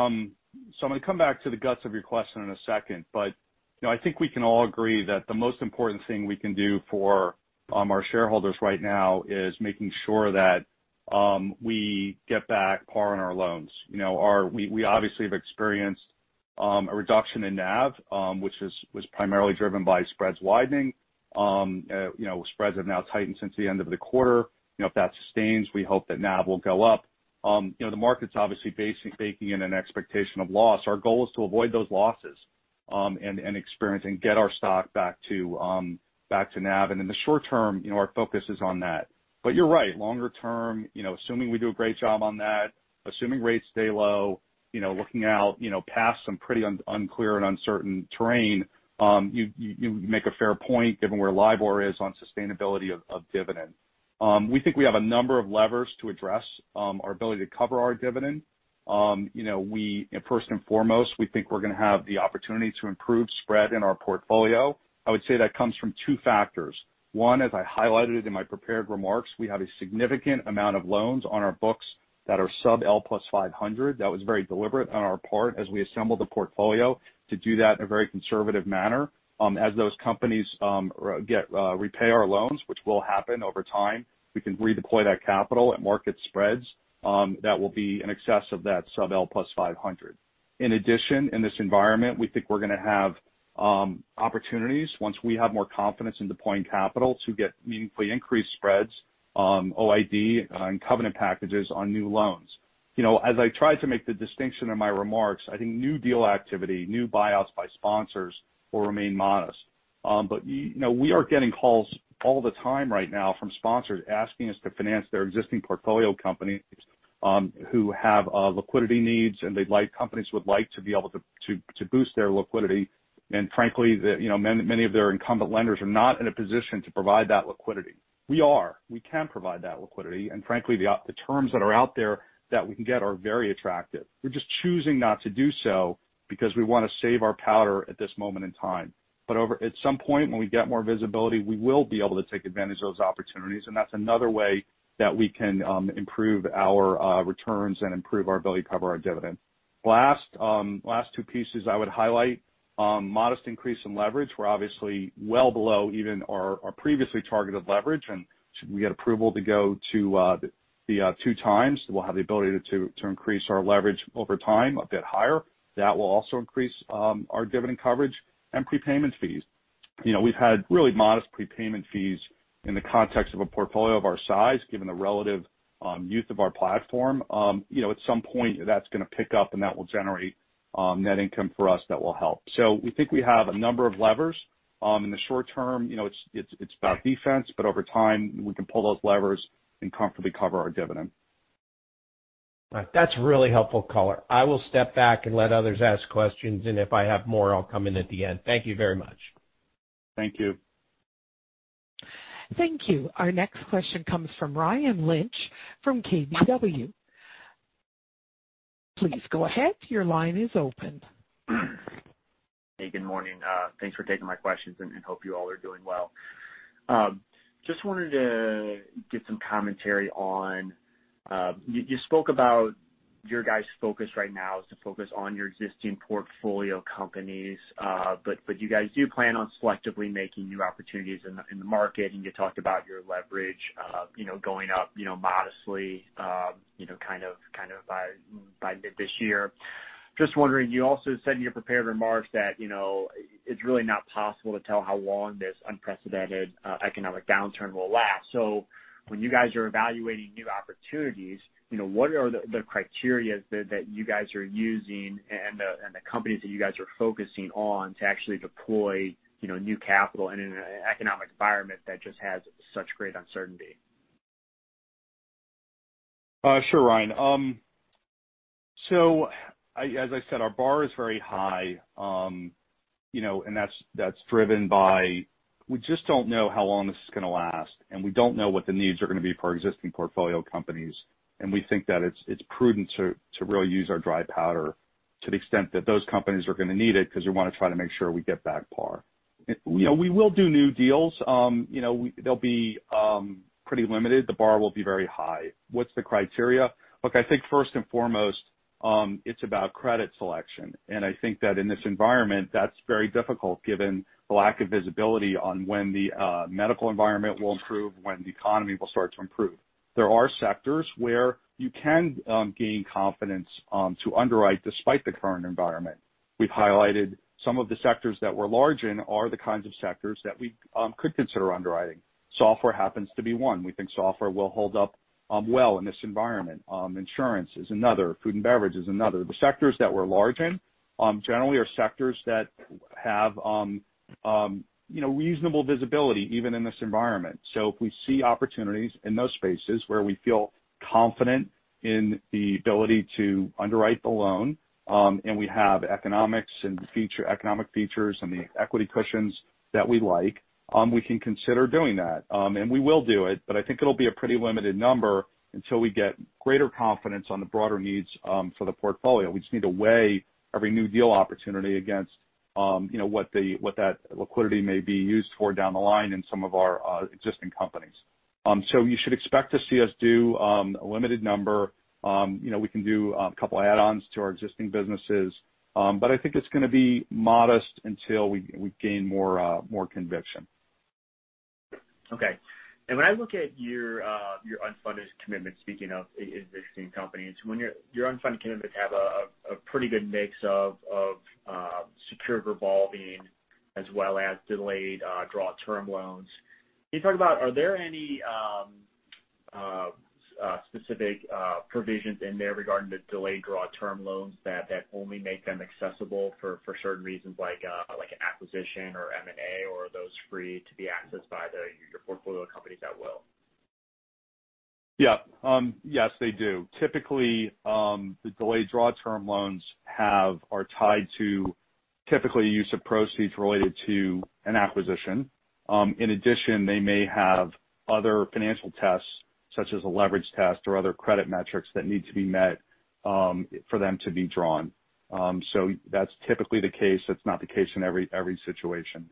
I'm gonna come back to the guts of your question in a second, but, you know, I think we can all agree that the most important thing we can do for our shareholders right now is making sure that we get back par on our loans. You know, we obviously have experienced a reduction in NAV, which was primarily driven by spreads widening. You know, spreads have now tightened since the end of the quarter. You know, if that sustains, we hope that NAV will go up. You know, the market's obviously baking in an expectation of loss. Our goal is to avoid those losses and get our stock back to NAV. In the short term, you know, our focus is on that. But you're right, longer term, you know, assuming we do a great job on that, assuming rates stay low, you know, looking out, you know, past some pretty unclear and uncertain terrain, you make a fair point given where LIBOR is on sustainability of dividend. We think we have a number of levers to address our ability to cover our dividend. You know, we—first and foremost, we think we're gonna have the opportunity to improve spread in our portfolio. I would say that comes from two factors. One, as I highlighted in my prepared remarks, we have a significant amount of loans on our books that are sub-L plus 500. That was very deliberate on our part as we assembled the portfolio, to do that in a very conservative manner. As those companies repay our loans, which will happen over time, we can redeploy that capital at market spreads that will be in excess of that sub-L + 500. In addition, in this environment, we think we're gonna have opportunities once we have more confidence in deploying capital to get meaningfully increased spreads, OID and covenant packages on new loans. You know, as I tried to make the distinction in my remarks, I think new deal activity, new buyouts by sponsors will remain modest. But, you know, we are getting calls all the time right now from sponsors asking us to finance their existing portfolio companies who have liquidity needs, and companies would like to be able to boost their liquidity. And frankly, you know, many, many of their incumbent lenders are not in a position to provide that liquidity. We are. We can provide that liquidity, and frankly, the terms that are out there that we can get are very attractive. We're just choosing not to do so because we want to save our powder at this moment in time. But at some point, when we get more visibility, we will be able to take advantage of those opportunities, and that's another way that we can improve our returns and improve our ability to cover our dividend. Last, last two pieces I would highlight, modest increase in leverage. We're obviously well below even our previously targeted leverage, and should we get approval to go to the 2x, we'll have the ability to increase our leverage over time a bit higher. That will also increase our dividend coverage and prepayment fees. You know, we've had really modest prepayment fees in the context of a portfolio of our size, given the relative use of our platform. You know, at some point, that's gonna pick up, and that will generate net income for us that will help. So we think we have a number of levers in the short term, you know, it's about defense, but over time, we can pull those levers and comfortably cover our dividend. That's really helpful color. I will step back and let others ask questions, and if I have more, I'll come in at the end. Thank you very much. Thank you. Thank you. Our next question comes from Ryan Lynch from KBW. Please go ahead, your line is open. Hey, good morning. Thanks for taking my questions, and hope you all are doing well. Just wanted to get some commentary on, you spoke about your guys' focus right now is to focus on your existing portfolio companies, but you guys do plan on selectively making new opportunities in the market, and you talked about your leverage, you know, going up, you know, modestly, you know, kind of by mid this year. Just wondering, you also said in your prepared remarks that, you know, it's really not possible to tell how long this unprecedented economic downturn will last. When you guys are evaluating new opportunities, you know, what are the criteria that you guys are using and the companies that you guys are focusing on to actually deploy, you know, new capital in an economic environment that just has such great uncertainty? Sure, Ryan. So I, as I said, our bar is very high. You know, and that's, that's driven by, we just don't know how long this is gonna last, and we don't know what the needs are gonna be for our existing portfolio companies, and we think that it's, it's prudent to, to really use our dry powder to the extent that those companies are gonna need it, because we want to try to make sure we get back par. You know, we will do new deals. You know, they'll be pretty limited. The bar will be very high. What's the criteria? Look, I think first and foremost, it's about credit selection, and I think that in this environment, that's very difficult given the lack of visibility on when the, medical environment will improve, when the economy will start to improve. There are sectors where you can gain confidence to underwrite despite the current environment. We've highlighted some of the sectors that we're large in are the kinds of sectors that we could consider underwriting. Software happens to be one. We think software will hold up well in this environment. Insurance is another, food and beverage is another. The sectors that we're large in generally are sectors that have you know reasonable visibility even in this environment. So if we see opportunities in those spaces where we feel confident in the ability to underwrite the loan and we have economics and economic features and the equity cushions that we like we can consider doing that. And we will do it, but I think it'll be a pretty limited number until we get greater confidence on the broader needs for the portfolio. We just need to weigh every new deal opportunity against, you know, what the, what that liquidity may be used for down the line in some of our existing companies. So you should expect to see us do a limited number. You know, we can do a couple add-ons to our existing businesses, but I think it's gonna be modest until we, we gain more, more conviction. Okay. And when I look at your unfunded commitments, speaking of existing companies, when your unfunded commitments have a pretty good mix of secured revolving as well as delayed draw term loans. Can you talk about, are there any specific provisions in there regarding the delayed draw term loans that only make them accessible for certain reasons, like, like acquisition or M&A, or are those free to be accessed by your portfolio companies at will? Yeah. Yes, they do. Typically, the delayed draw term loans have- are tied to typically use of proceeds related to an acquisition. In addition, they may have other financial tests, such as a leverage test or other credit metrics that need to be met, for them to be drawn. So that's typically the case. That's not the case in every situation.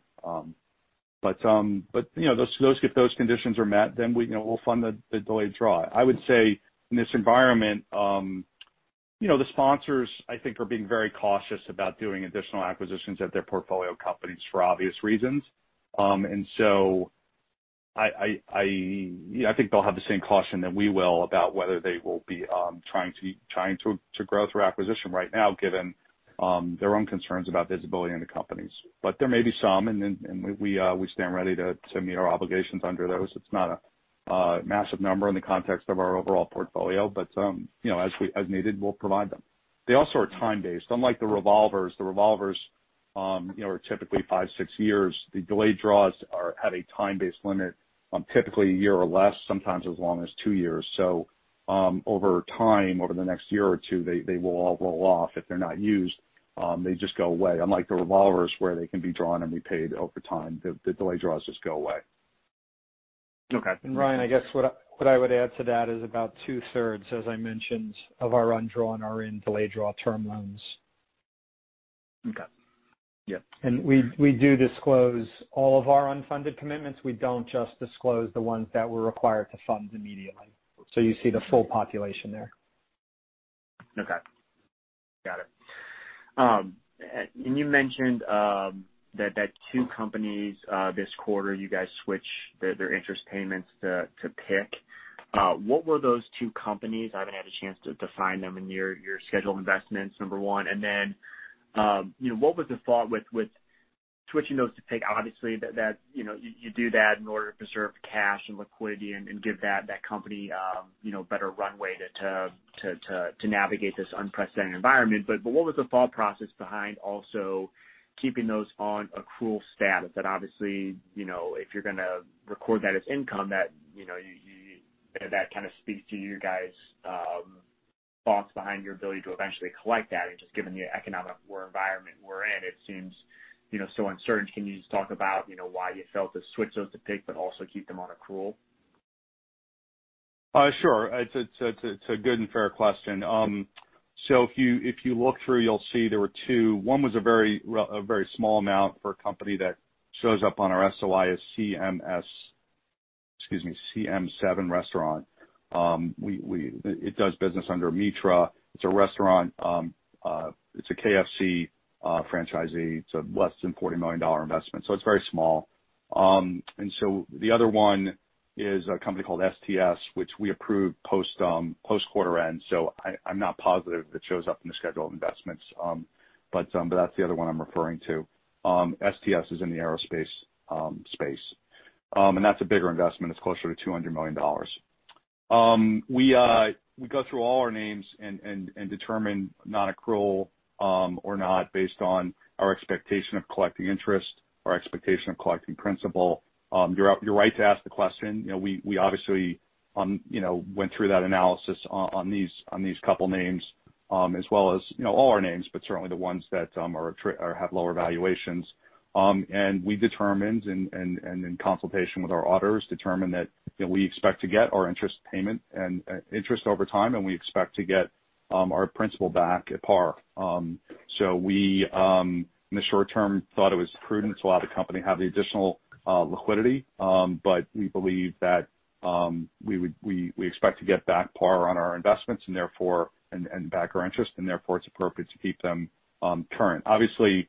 But, but, you know, those, those- if those conditions are met, then we, you know, we'll fund the, the delayed draw. I would say in this environment, you know, the sponsors, I think, are being very cautious about doing additional acquisitions at their portfolio companies for obvious reasons. And so I, you know, I think they'll have the same caution that we will about whether they will be trying to grow through acquisition right now, given their own concerns about visibility in the companies. But there may be some, and then we stand ready to meet our obligations under those. It's not a massive number in the context of our overall portfolio, but, you know, as needed, we'll provide them. They also are time-based, unlike the revolvers. The revolvers, you know, are typically 5, 6 years. The delayed draws have a time-based limit, typically a year or less, sometimes as long as 2 years. So, over time, over the next year or two, they will all roll off. If they're not used, they just go away, unlike the revolvers, where they can be drawn and repaid over time. The delayed draws just go away. Okay. Ryan, I guess what I would add to that is about 2/3, as I mentioned, of our undrawn are in delayed draw term loans. Okay. Yeah. And we do disclose all of our unfunded commitments. We don't just disclose the ones that we're required to fund immediately. So you see the full population there. Okay. Got it. And you mentioned that two companies this quarter, you guys switched their interest payments to PIK. What were those two companies? I haven't had a chance to find them in your scheduled investments, number one, and then, you know, what was the thought with switching those to PIK? Obviously, you know, you do that in order to preserve cash and liquidity and give that company, you know, a better runway to navigate this unprecedented environment. But what was the thought process behind also keeping those on accrual status? That obviously, you know, if you're gonna record that as income, that, you know, you... That kind of speaks to you guys' thoughts behind your ability to eventually collect that. Just given the economic environment we're in, it seems, you know, so uncertain. Can you just talk about, you know, why you felt to switch those to PIK, but also keep them on accrual? Sure. It's a good and fair question. So if you look through, you'll see there were two. One was a very small amount for a company that shows up on our SOI as CM7 Restaurant. It does business under Mitra. It's a restaurant. It's a KFC franchisee. It's a less than $40 million investment, so it's very small. And so the other one is a company called STS, which we approved post-quarter end, so I'm not positive if it shows up in the schedule of investments. But that's the other one I'm referring to. STS is in the aerospace space, and that's a bigger investment. It's closer to $200 million. We go through all our names and determine non-accrual or not, based on our expectation of collecting interest, our expectation of collecting principal. You're right to ask the question. You know, we obviously went through that analysis on these couple names as well as all our names, but certainly the ones that are or have lower valuations. And we determined, in consultation with our auditors, determined that, you know, we expect to get our interest payment and interest over time, and we expect to get our principal back at par. So we, in the short term, thought it was prudent to allow the company to have the additional liquidity. But we believe that we would expect to get back par on our investments and therefore back our interest, and therefore it's appropriate to keep them current. Obviously,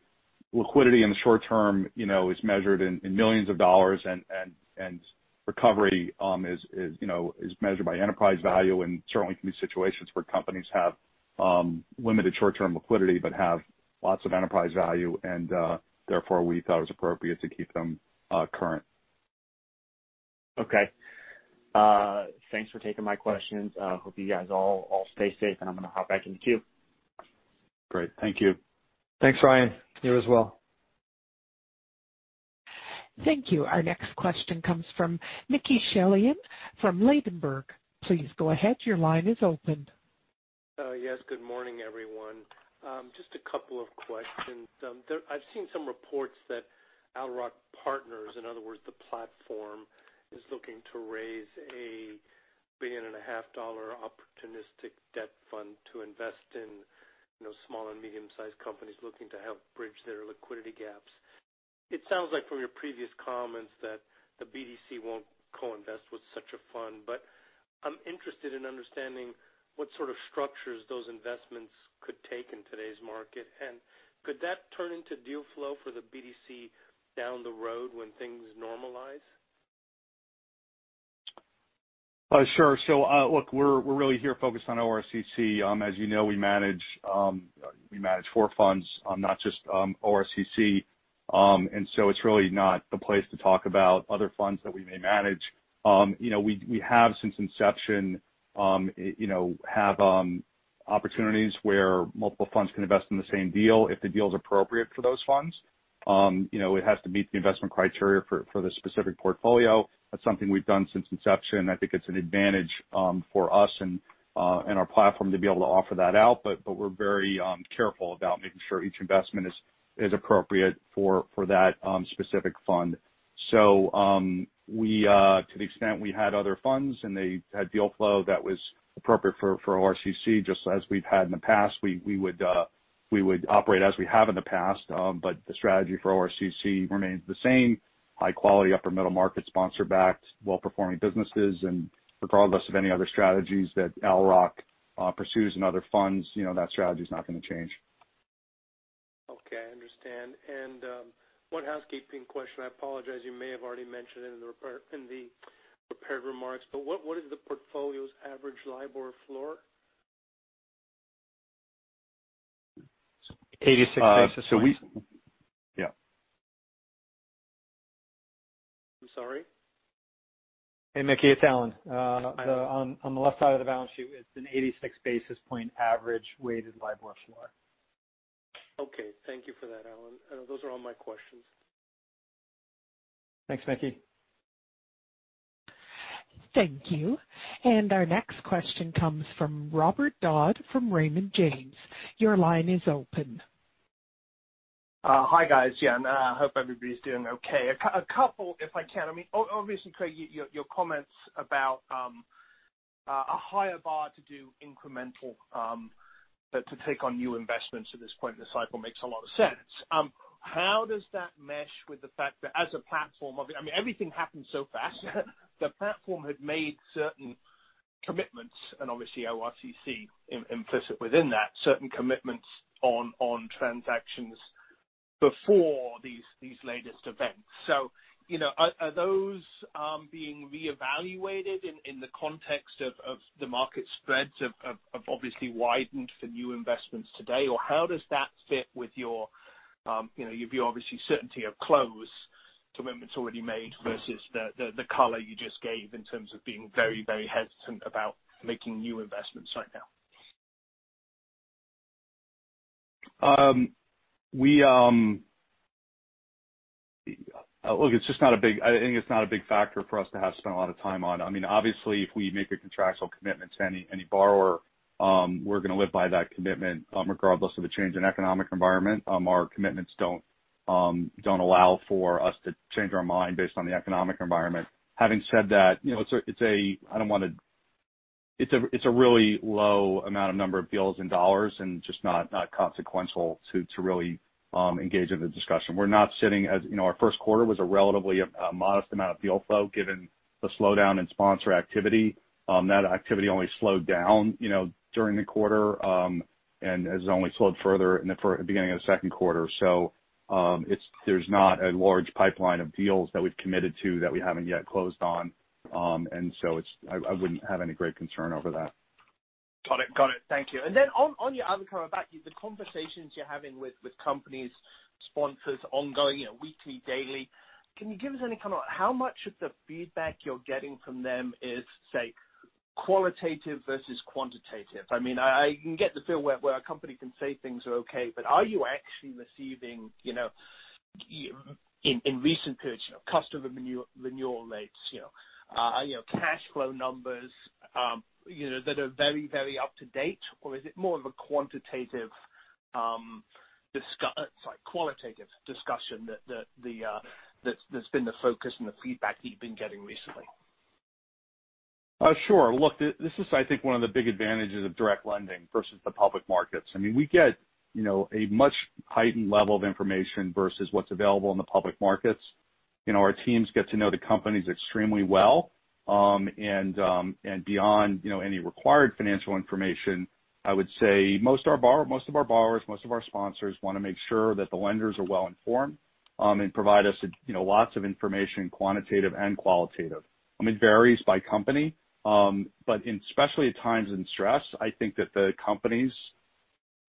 liquidity in the short term, you know, is measured in millions of dollars, and recovery, you know, is measured by enterprise value, and certainly can be situations where companies have limited short-term liquidity, but have lots of enterprise value, and therefore we thought it was appropriate to keep them current. Okay. Thanks for taking my questions. Hope you guys all, all stay safe, and I'm gonna hop back in the queue. Great. Thank you. Thanks, Ryan. You as well. Thank you. Our next question comes from Mickey Schleien, from Ladenburg. Please go ahead, your line is open. Yes, good morning, everyone. Just a couple of questions. I've seen some reports that Owl Rock Capital Partners, in other words, the platform, is looking to raise a $1.5 billion opportunistic debt fund to invest in, you know, small and medium-sized companies looking to help bridge their liquidity gaps. It sounds like from your previous comments that the BDC won't co-invest with such a fund, but I'm interested in understanding what sort of structures those investments could take in today's market, and could that turn into deal flow for the BDC down the road when things normalize? Sure. So, look, we're, we're really here focused on ORCC. As you know, we manage, we manage four funds, not just, ORCC. And so it's really not the place to talk about other funds that we may manage. You know, we, we have since inception, you know, have, opportunities where multiple funds can invest in the same deal if the deal is appropriate for those funds. You know, it has to meet the investment criteria for, for the specific portfolio. That's something we've done since inception. I think it's an advantage, for us and, and our platform to be able to offer that out, but, but we're very, careful about making sure each investment is, is appropriate for, for that, specific fund. To the extent we had other funds and they had deal flow that was appropriate for ORCC, just as we've had in the past, we would operate as we have in the past. But the strategy for ORCC remains the same, high quality, upper middle market, sponsor-backed, well-performing businesses. And regardless of any other strategies that Owl Rock pursues in other funds, you know, that strategy is not going to change.... Okay, I understand. And, one housekeeping question. I apologize, you may have already mentioned it in the prepared remarks, but what, what is the portfolio's average LIBOR floor? 86 basis points. So we-- Yeah. I'm sorry? Hey, Mickey, it's Alan. On the left side of the balance sheet, it's an 86 basis point average weighted LIBOR floor. Okay. Thank you for that, Alan. Those are all my questions. Thanks, Mickey. Thank you. Our next question comes from Robert Dodd from Raymond James. Your line is open. Hi, guys. Yeah, and I hope everybody's doing okay. A couple, if I can, I mean, obviously, Craig, your comments about a higher bar to do incremental to take on new investments at this point in the cycle makes a lot of sense. How does that mesh with the fact that as a platform, I mean, everything happened so fast, the platform had made certain commitments, and obviously ORCC implicit within that, certain commitments on transactions before these latest events? So, you know, are those being reevaluated in the context of the market spreads have obviously widened for new investments today? Or how does that fit with your, you know, obvious certainty of closing commitments already made versus the color you just gave in terms of being very, very hesitant about making new investments right now? Look, it's just not a big factor for us to have spent a lot of time on. I mean, obviously, if we make a contractual commitment to any borrower, we're gonna live by that commitment, regardless of a change in economic environment. Our commitments don't allow for us to change our mind based on the economic environment. Having said that, you know, it's a really low amount of number of deals in dollars and just not consequential to really engage in the discussion. We're not sitting as, you know, our first quarter was a relatively modest amount of deal flow, given the slowdown in sponsor activity. That activity only slowed down, you know, during the quarter, and has only slowed further in the beginning of the second quarter. So, it's, there's not a large pipeline of deals that we've committed to that we haven't yet closed on. And so it's, I wouldn't have any great concern over that. Got it. Got it. Thank you. And then on your other comment back, the conversations you're having with companies, sponsors, ongoing, you know, weekly, daily, can you give us any kind of how much of the feedback you're getting from them is, say, qualitative versus quantitative? I mean, I can get the feel where a company can say things are okay, but are you actually receiving, you know, in recent periods, you know, customer renewal rates, you know, cash flow numbers, you know, that are very, very up to date, or is it more of a quantitative, qualitative discussion that that's been the focus and the feedback you've been getting recently? Sure. Look, this is, I think, one of the big advantages of direct lending versus the public markets. I mean, we get, you know, a much heightened level of information versus what's available in the public markets. You know, our teams get to know the companies extremely well, and beyond, you know, any required financial information, I would say most of our borrowers, most of our sponsors want to make sure that the lenders are well informed, and provide us, you know, lots of information, quantitative and qualitative. I mean, it varies by company, but especially at times in stress, I think that the companies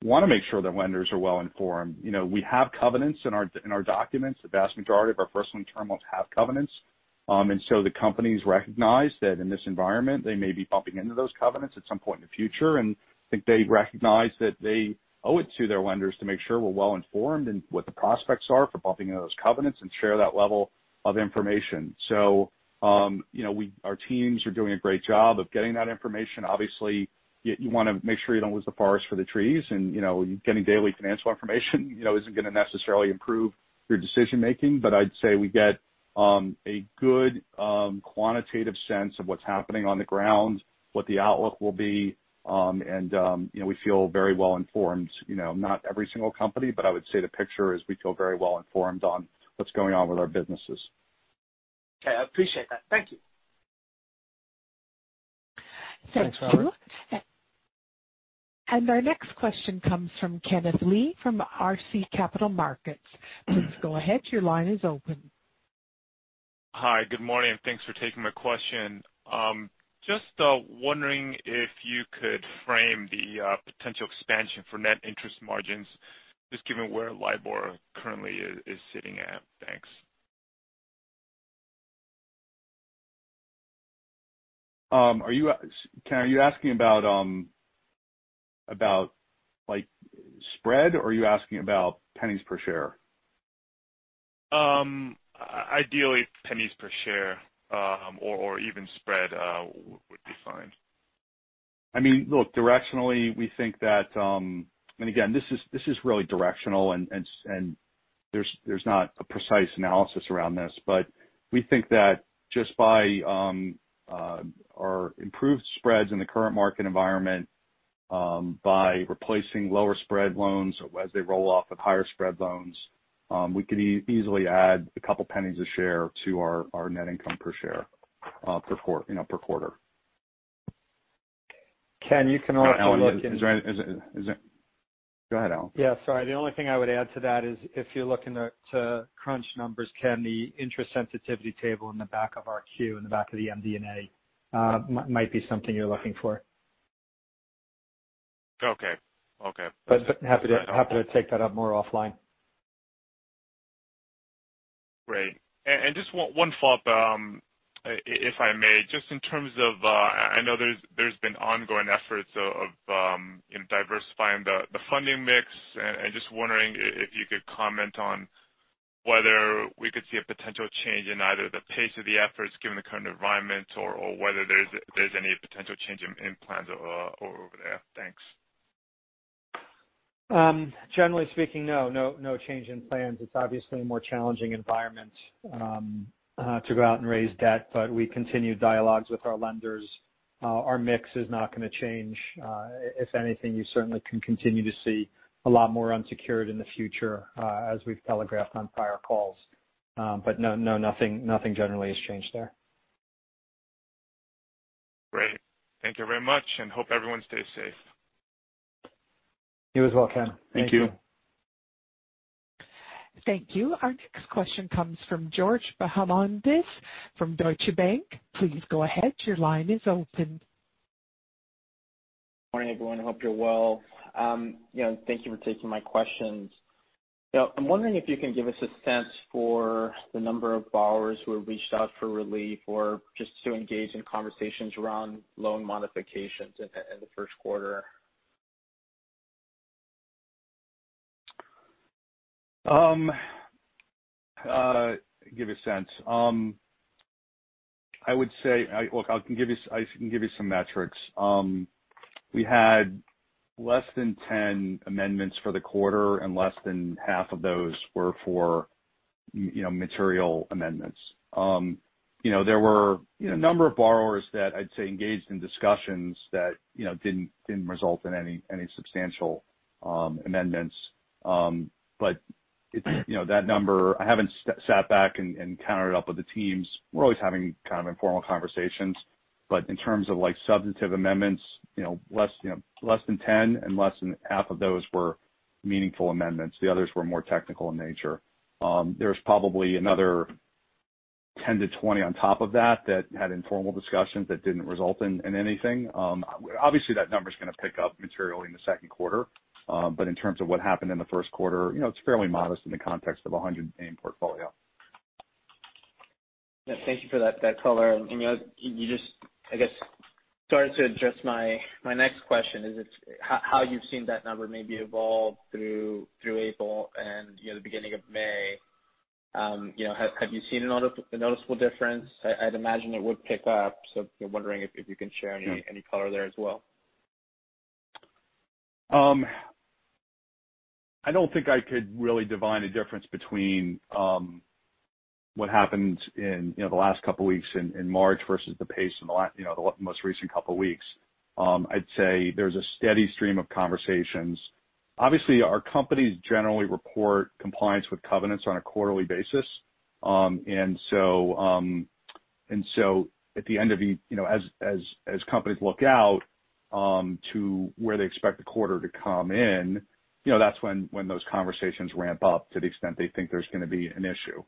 want to make sure their lenders are well informed. You know, we have covenants in our documents. The vast majority of our first lien term loans have covenants. And so the companies recognize that in this environment, they may be bumping into those covenants at some point in the future, and I think they recognize that they owe it to their lenders to make sure we're well informed in what the prospects are for bumping into those covenants and share that level of information. So, you know, we our teams are doing a great job of getting that information. Obviously, you want to make sure you don't lose the forest for the trees, and, you know, getting daily financial information, you know, isn't going to necessarily improve your decision making. But I'd say we get a good quantitative sense of what's happening on the ground, what the outlook will be, and, you know, we feel very well informed, you know, not every single company, but I would say the picture is we feel very well informed on what's going on with our businesses. Okay, I appreciate that. Thank you. Thanks, Robert. Thank you. Our next question comes from Kenneth Lee from RBC Capital Markets. Please go ahead, your line is open. Hi, good morning, and thanks for taking my question. Just wondering if you could frame the potential expansion for net interest margins, just given where LIBOR currently is sitting at. Thanks. Are you, Ken, are you asking about like spread or are you asking about pennies per share? Ideally pennies per share, or even spread, would be fine. I mean, look, directionally, we think that, and again, this is really directional and there's not a precise analysis around this, but we think that just by our improved spreads in the current market environment, by replacing lower spread loans as they roll off with higher spread loans, we could easily add a couple pennies a share to our net income per share, you know, per quarter.... Ken, you can also look in- Alan, is there? Go ahead, Alan. Yeah, sorry. The only thing I would add to that is if you're looking to crunch numbers, Ken, the interest sensitivity table in the back of our 10-Q, in the back of the MD&A, might be something you're looking for. Okay. Okay. But happy to, happy to take that up more offline. Great. And just one thought, if I may, just in terms of, I know there's been ongoing efforts of, you know, diversifying the funding mix. And just wondering if you could comment on whether we could see a potential change in either the pace of the efforts, given the current environment or whether there's any potential change in plans over there? Thanks. Generally speaking, no. No, no change in plans. It's obviously a more challenging environment to go out and raise debt, but we continue dialogues with our lenders. Our mix is not gonna change. If anything, you certainly can continue to see a lot more unsecured in the future, as we've telegraphed on prior calls. But no, no, nothing, nothing generally has changed there. Great. Thank you very much, and hope everyone stays safe. You as well, Ken. Thank you. Thank you. Thank you. Our next question comes from George Bahamondes from Deutsche Bank. Please go ahead. Your line is open. Morning, everyone. Hope you're well. You know, thank you for taking my questions. I'm wondering if you can give us a sense for the number of borrowers who have reached out for relief or just to engage in conversations around loan modifications in the first quarter? Give a sense. I would say... Look, I can give you some metrics. We had less than 10 amendments for the quarter, and less than half of those were for, you know, material amendments. You know, there were, you know, a number of borrowers that I'd say engaged in discussions that, you know, didn't result in any, any substantial, amendments. But, you know, that number, I haven't sat back and counted it up with the teams. We're always having kind of informal conversations, but in terms of like substantive amendments, you know, less, you know, less than 10 and less than half of those were meaningful amendments. The others were more technical in nature. There's probably another 10-20 on top of that, that had informal discussions that didn't result in anything. Obviously, that number's gonna pick up materially in the second quarter. But in terms of what happened in the first quarter, you know, it's fairly modest in the context of a 100-name portfolio. Thank you for that color. You know, you just, I guess, started to address my next question, is how you've seen that number maybe evolve through April and, you know, the beginning of May. You know, have you seen a noticeable difference? I'd imagine it would pick up, so I'm wondering if you can share any color there as well. I don't think I could really divine a difference between, you know, what happened in the last couple of weeks in March versus the pace in the, you know, the most recent couple of weeks. I'd say there's a steady stream of conversations. Obviously, our companies generally report compliance with covenants on a quarterly basis. And so at the end of each, you know, as companies look out to where they expect the quarter to come in, you know, that's when those conversations ramp up to the extent they think there's gonna be an issue.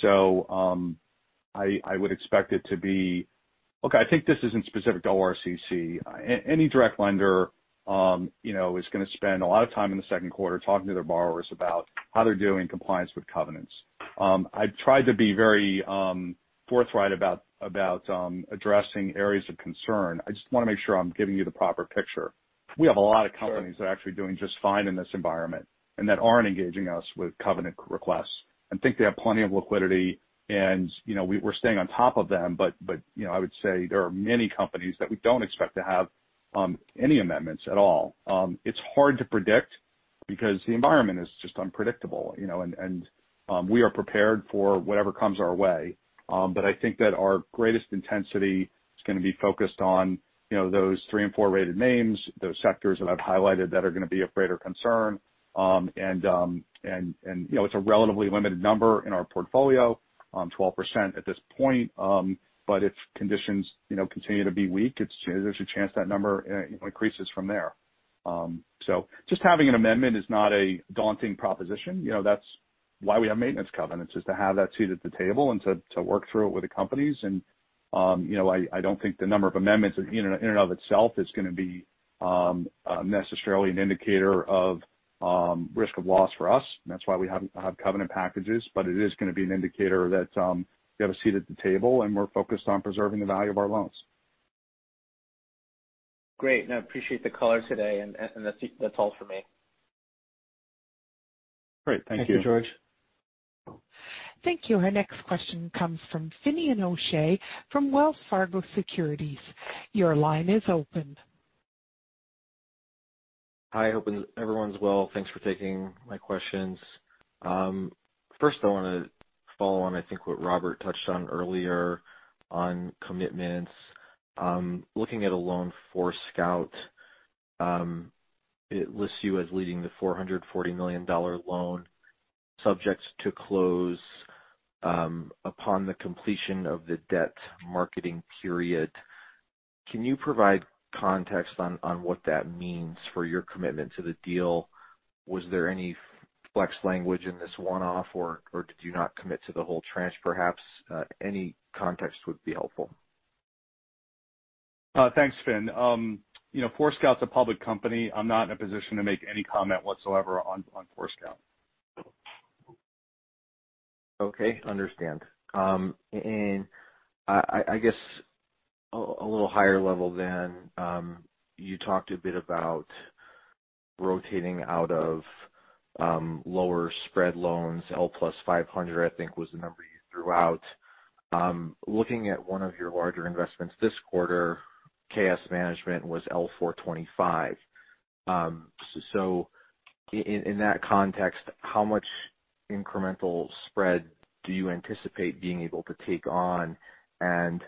So I would expect it to be... Look, I think this isn't specific to ORCC. Any direct lender, you know, is gonna spend a lot of time in the second quarter talking to their borrowers about how they're doing in compliance with covenants. I've tried to be very forthright about addressing areas of concern. I just wanna make sure I'm giving you the proper picture. Sure. We have a lot of companies that are actually doing just fine in this environment and that aren't engaging us with covenant requests, and think they have plenty of liquidity. And, you know, we're staying on top of them, but, you know, I would say there are many companies that we don't expect to have any amendments at all. It's hard to predict because the environment is just unpredictable, you know, and we are prepared for whatever comes our way. But I think that our greatest intensity is gonna be focused on, you know, those three and four-rated names, those sectors that I've highlighted that are gonna be of greater concern. And, you know, it's a relatively limited number in our portfolio, 12% at this point, but if conditions, you know, continue to be weak, it's—there's a chance that number increases from there. So just having an amendment is not a daunting proposition. You know, that's why we have maintenance covenants, is to have that seat at the table and to work through it with the companies. And, you know, I don't think the number of amendments in and of itself is gonna be necessarily an indicator of risk of loss for us. That's why we have covenant packages, but it is gonna be an indicator that we have a seat at the table, and we're focused on preserving the value of our loans. Great, and I appreciate the color today, and that's all for me. Great. Thank you. Thank you, George. Thank you. Our next question comes from Finian O'Shea from Wells Fargo Securities. Your line is open. Hi, hoping everyone's well. Thanks for taking my questions. First, I want to follow on, I think, what Robert touched on earlier on commitments. Looking at a loan for Forescout, it lists you as leading the $440 million loan, subject to close, upon the completion of the debt marketing period. Can you provide context on, on what that means for your commitment to the deal? Was there any flex language in this one-off, or, or did you not commit to the whole tranche, perhaps? Any context would be helpful. Thanks, Finn. You know, Forescout's a public company. I'm not in a position to make any comment whatsoever on Forescout. Okay, I understand. And I guess a little higher level than, you talked a bit about rotating out of lower spread loans, L+500, I think was the number you threw out. Looking at one of your larger investments this quarter, K.S. Management, was L+425. So in that context, how much incremental spread do you anticipate being able to take on? And,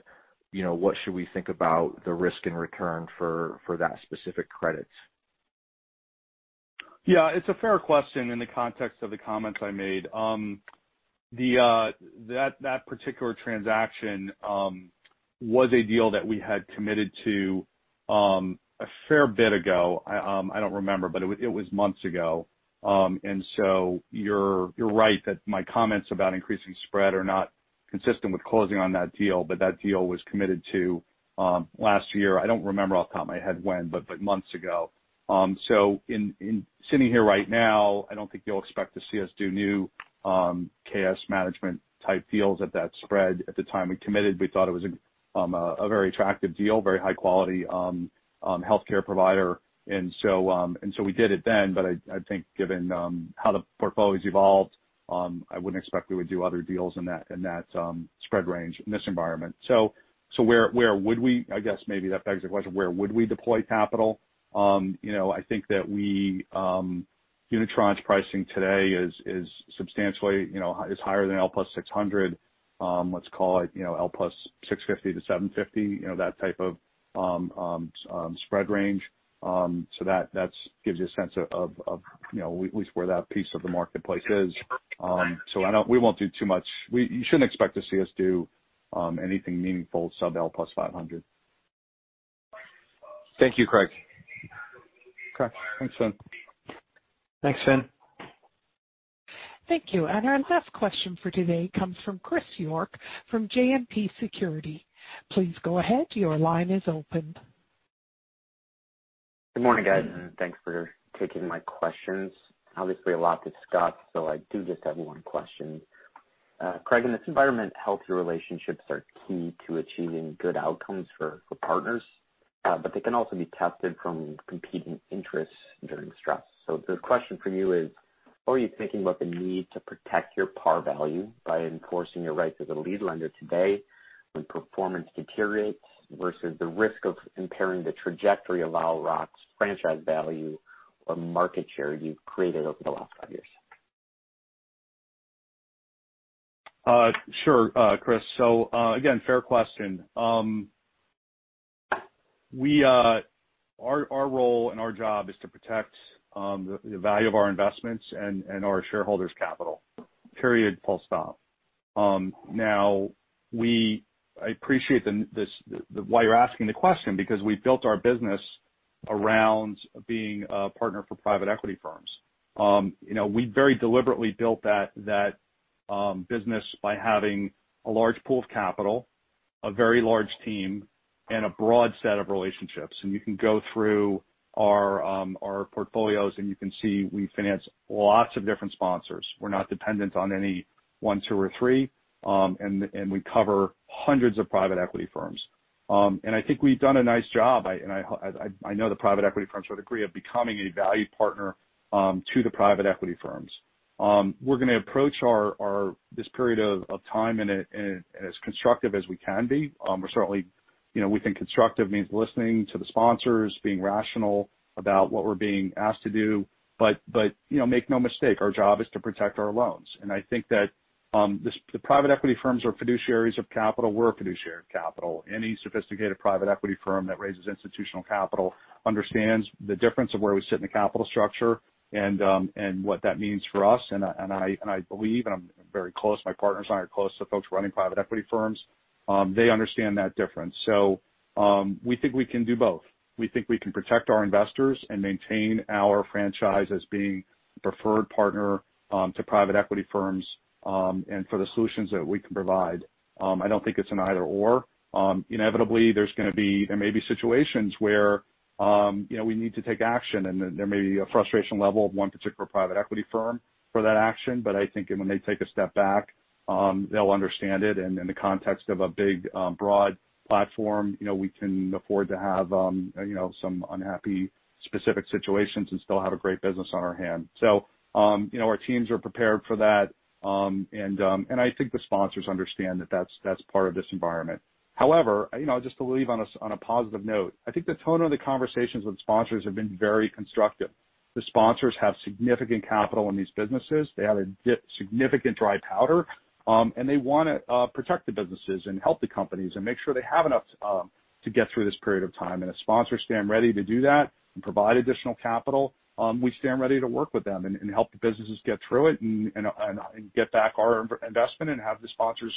you know, what should we think about the risk and return for that specific credit? Yeah, it's a fair question in the context of the comments I made. The, that particular transaction was a deal that we had committed to a fair bit ago. I don't remember, but it was months ago. And so you're right that my comments about increasing spread are not consistent with closing on that deal, but that deal was committed to last year. I don't remember off the top of my head when, but months ago. So in sitting here right now, I don't think you'll expect to see us do new K.S. Management type deals at that spread. At the time we committed, we thought it was a very attractive deal, very high quality healthcare provider. We did it then, but I think given how the portfolio's evolved, I wouldn't expect we would do other deals in that spread range in this environment. So where would we? I guess maybe that begs the question, where would we deploy capital? You know, I think that unitranche pricing today is substantially higher than L+600. Let's call it, you know, L+650-750, you know, that type of spread range. So that gives you a sense of, you know, at least where that piece of the marketplace is. So I don't. We won't do too much. You shouldn't expect to see us do anything meaningful sub L+500. Thank you, Craig. Okay. Thanks, Finn. Thanks, Finn. Thank you. And our last question for today comes from Chris York, from JMP Securities. Please go ahead. Your line is open. Good morning, guys, and thanks for taking my questions. Obviously, a lot to discuss, so I do just have one question. Craig, in this environment, healthy relationships are key to achieving good outcomes for, for partners, but they can also be tested from competing interests during stress. So the question for you is: how are you thinking about the need to protect your par value by enforcing your right as a lead lender today when performance deteriorates, versus the risk of impairing the trajectory of Owl Rock's franchise value or market share you've created over the last five years? Sure, Chris. So, again, fair question. Our role and our job is to protect the value of our investments and our shareholders' capital, period, full stop. Now I appreciate why you're asking the question, because we built our business around being a partner for private equity firms. You know, we very deliberately built that business by having a large pool of capital, a very large team, and a broad set of relationships. And you can go through our portfolios, and you can see we finance lots of different sponsors. We're not dependent on any one, two, or three, and we cover hundreds of private equity firms. And I think we've done a nice job, and I know the private equity firms would agree, of becoming a valued partner to the private equity firms. We're gonna approach our this period of time in as constructive as we can be. We're certainly, you know, we think constructive means listening to the sponsors, being rational about what we're being asked to do, but, you know, make no mistake, our job is to protect our loans. And I think that the private equity firms are fiduciaries of capital. We're a fiduciary of capital. Any sophisticated private equity firm that raises institutional capital understands the difference of where we sit in the capital structure and what that means for us. I believe, and I'm very close, my partners and I are close to folks running private equity firms. They understand that difference. So, we think we can do both. We think we can protect our investors and maintain our franchise as being the preferred partner to private equity firms and for the solutions that we can provide. I don't think it's an either/or. Inevitably, there's gonna be, there may be situations where, you know, we need to take action, and there may be a frustration level of one particular private equity firm for that action. But I think when they take a step back, they'll understand it, and in the context of a big, broad platform, you know, we can afford to have, you know, some unhappy specific situations and still have a great business on our hands. So, you know, our teams are prepared for that. And I think the sponsors understand that that's part of this environment. However, you know, just to leave on a positive note, I think the tone of the conversations with sponsors have been very constructive. The sponsors have significant capital in these businesses. They have significant dry powder, and they wanna protect the businesses and help the companies and make sure they have enough to get through this period of time. And if sponsors stand ready to do that and provide additional capital, we stand ready to work with them and help the businesses get through it and get back our investment and have the sponsors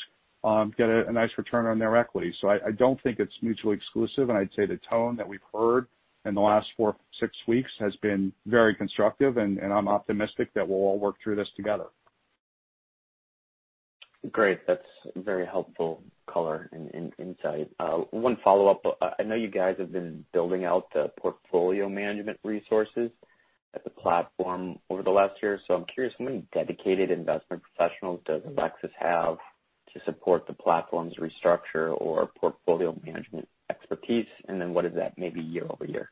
get a nice return on their equity. So I don't think it's mutually exclusive, and I'd say the tone that we've heard in the last four, six weeks has been very constructive, and I'm optimistic that we'll all work through this together. Great. That's very helpful color and, and insight. One follow-up. I know you guys have been building out the portfolio management resources at the platform over the last year, so I'm curious, how many dedicated investment professionals does Alexis have to support the platform's restructure or portfolio management expertise? And then what is that maybe year-over-year?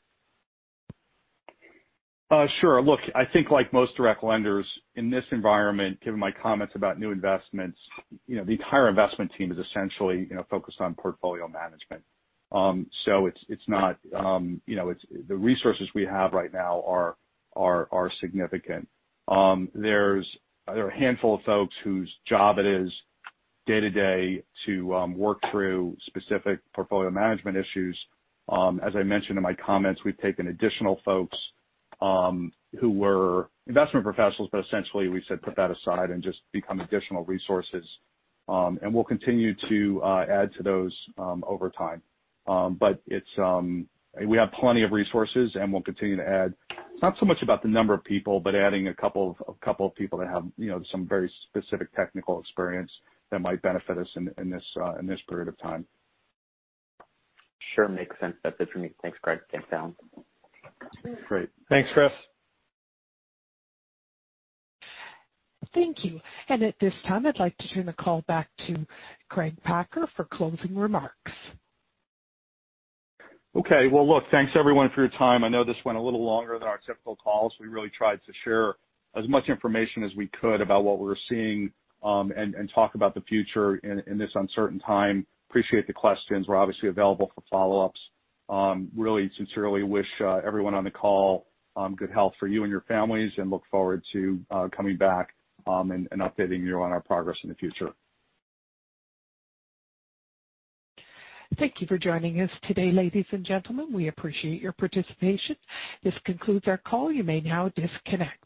Sure. Look, I think like most direct lenders in this environment, given my comments about new investments, you know, the entire investment team is essentially, you know, focused on portfolio management. So it's not, you know, the resources we have right now are significant. There are a handful of folks whose job it is day to day to work through specific portfolio management issues. As I mentioned in my comments, we've taken additional folks who were investment professionals, but essentially we said, "Put that aside and just become additional resources." And we'll continue to add to those over time. But we have plenty of resources, and we'll continue to add. It's not so much about the number of people, but adding a couple of, a couple of people that have, you know, some very specific technical experience that might benefit us in, in this, in this period of time. Sure. Makes sense, that's it for me. Thanks, Craig. Thanks, Alan. Great. Thanks, Chris. Thank you. At this time, I'd like to turn the call back to Craig Packer for closing remarks. Okay. Well, look, thanks, everyone, for your time. I know this went a little longer than our typical calls. We really tried to share as much information as we could about what we're seeing and talk about the future in this uncertain time. Appreciate the questions. We're obviously available for follow-ups. Really sincerely wish everyone on the call good health for you and your families, and look forward to coming back and updating you on our progress in the future. Thank you for joining us today, ladies and gentlemen. We appreciate your participation. This concludes our call. You may now disconnect.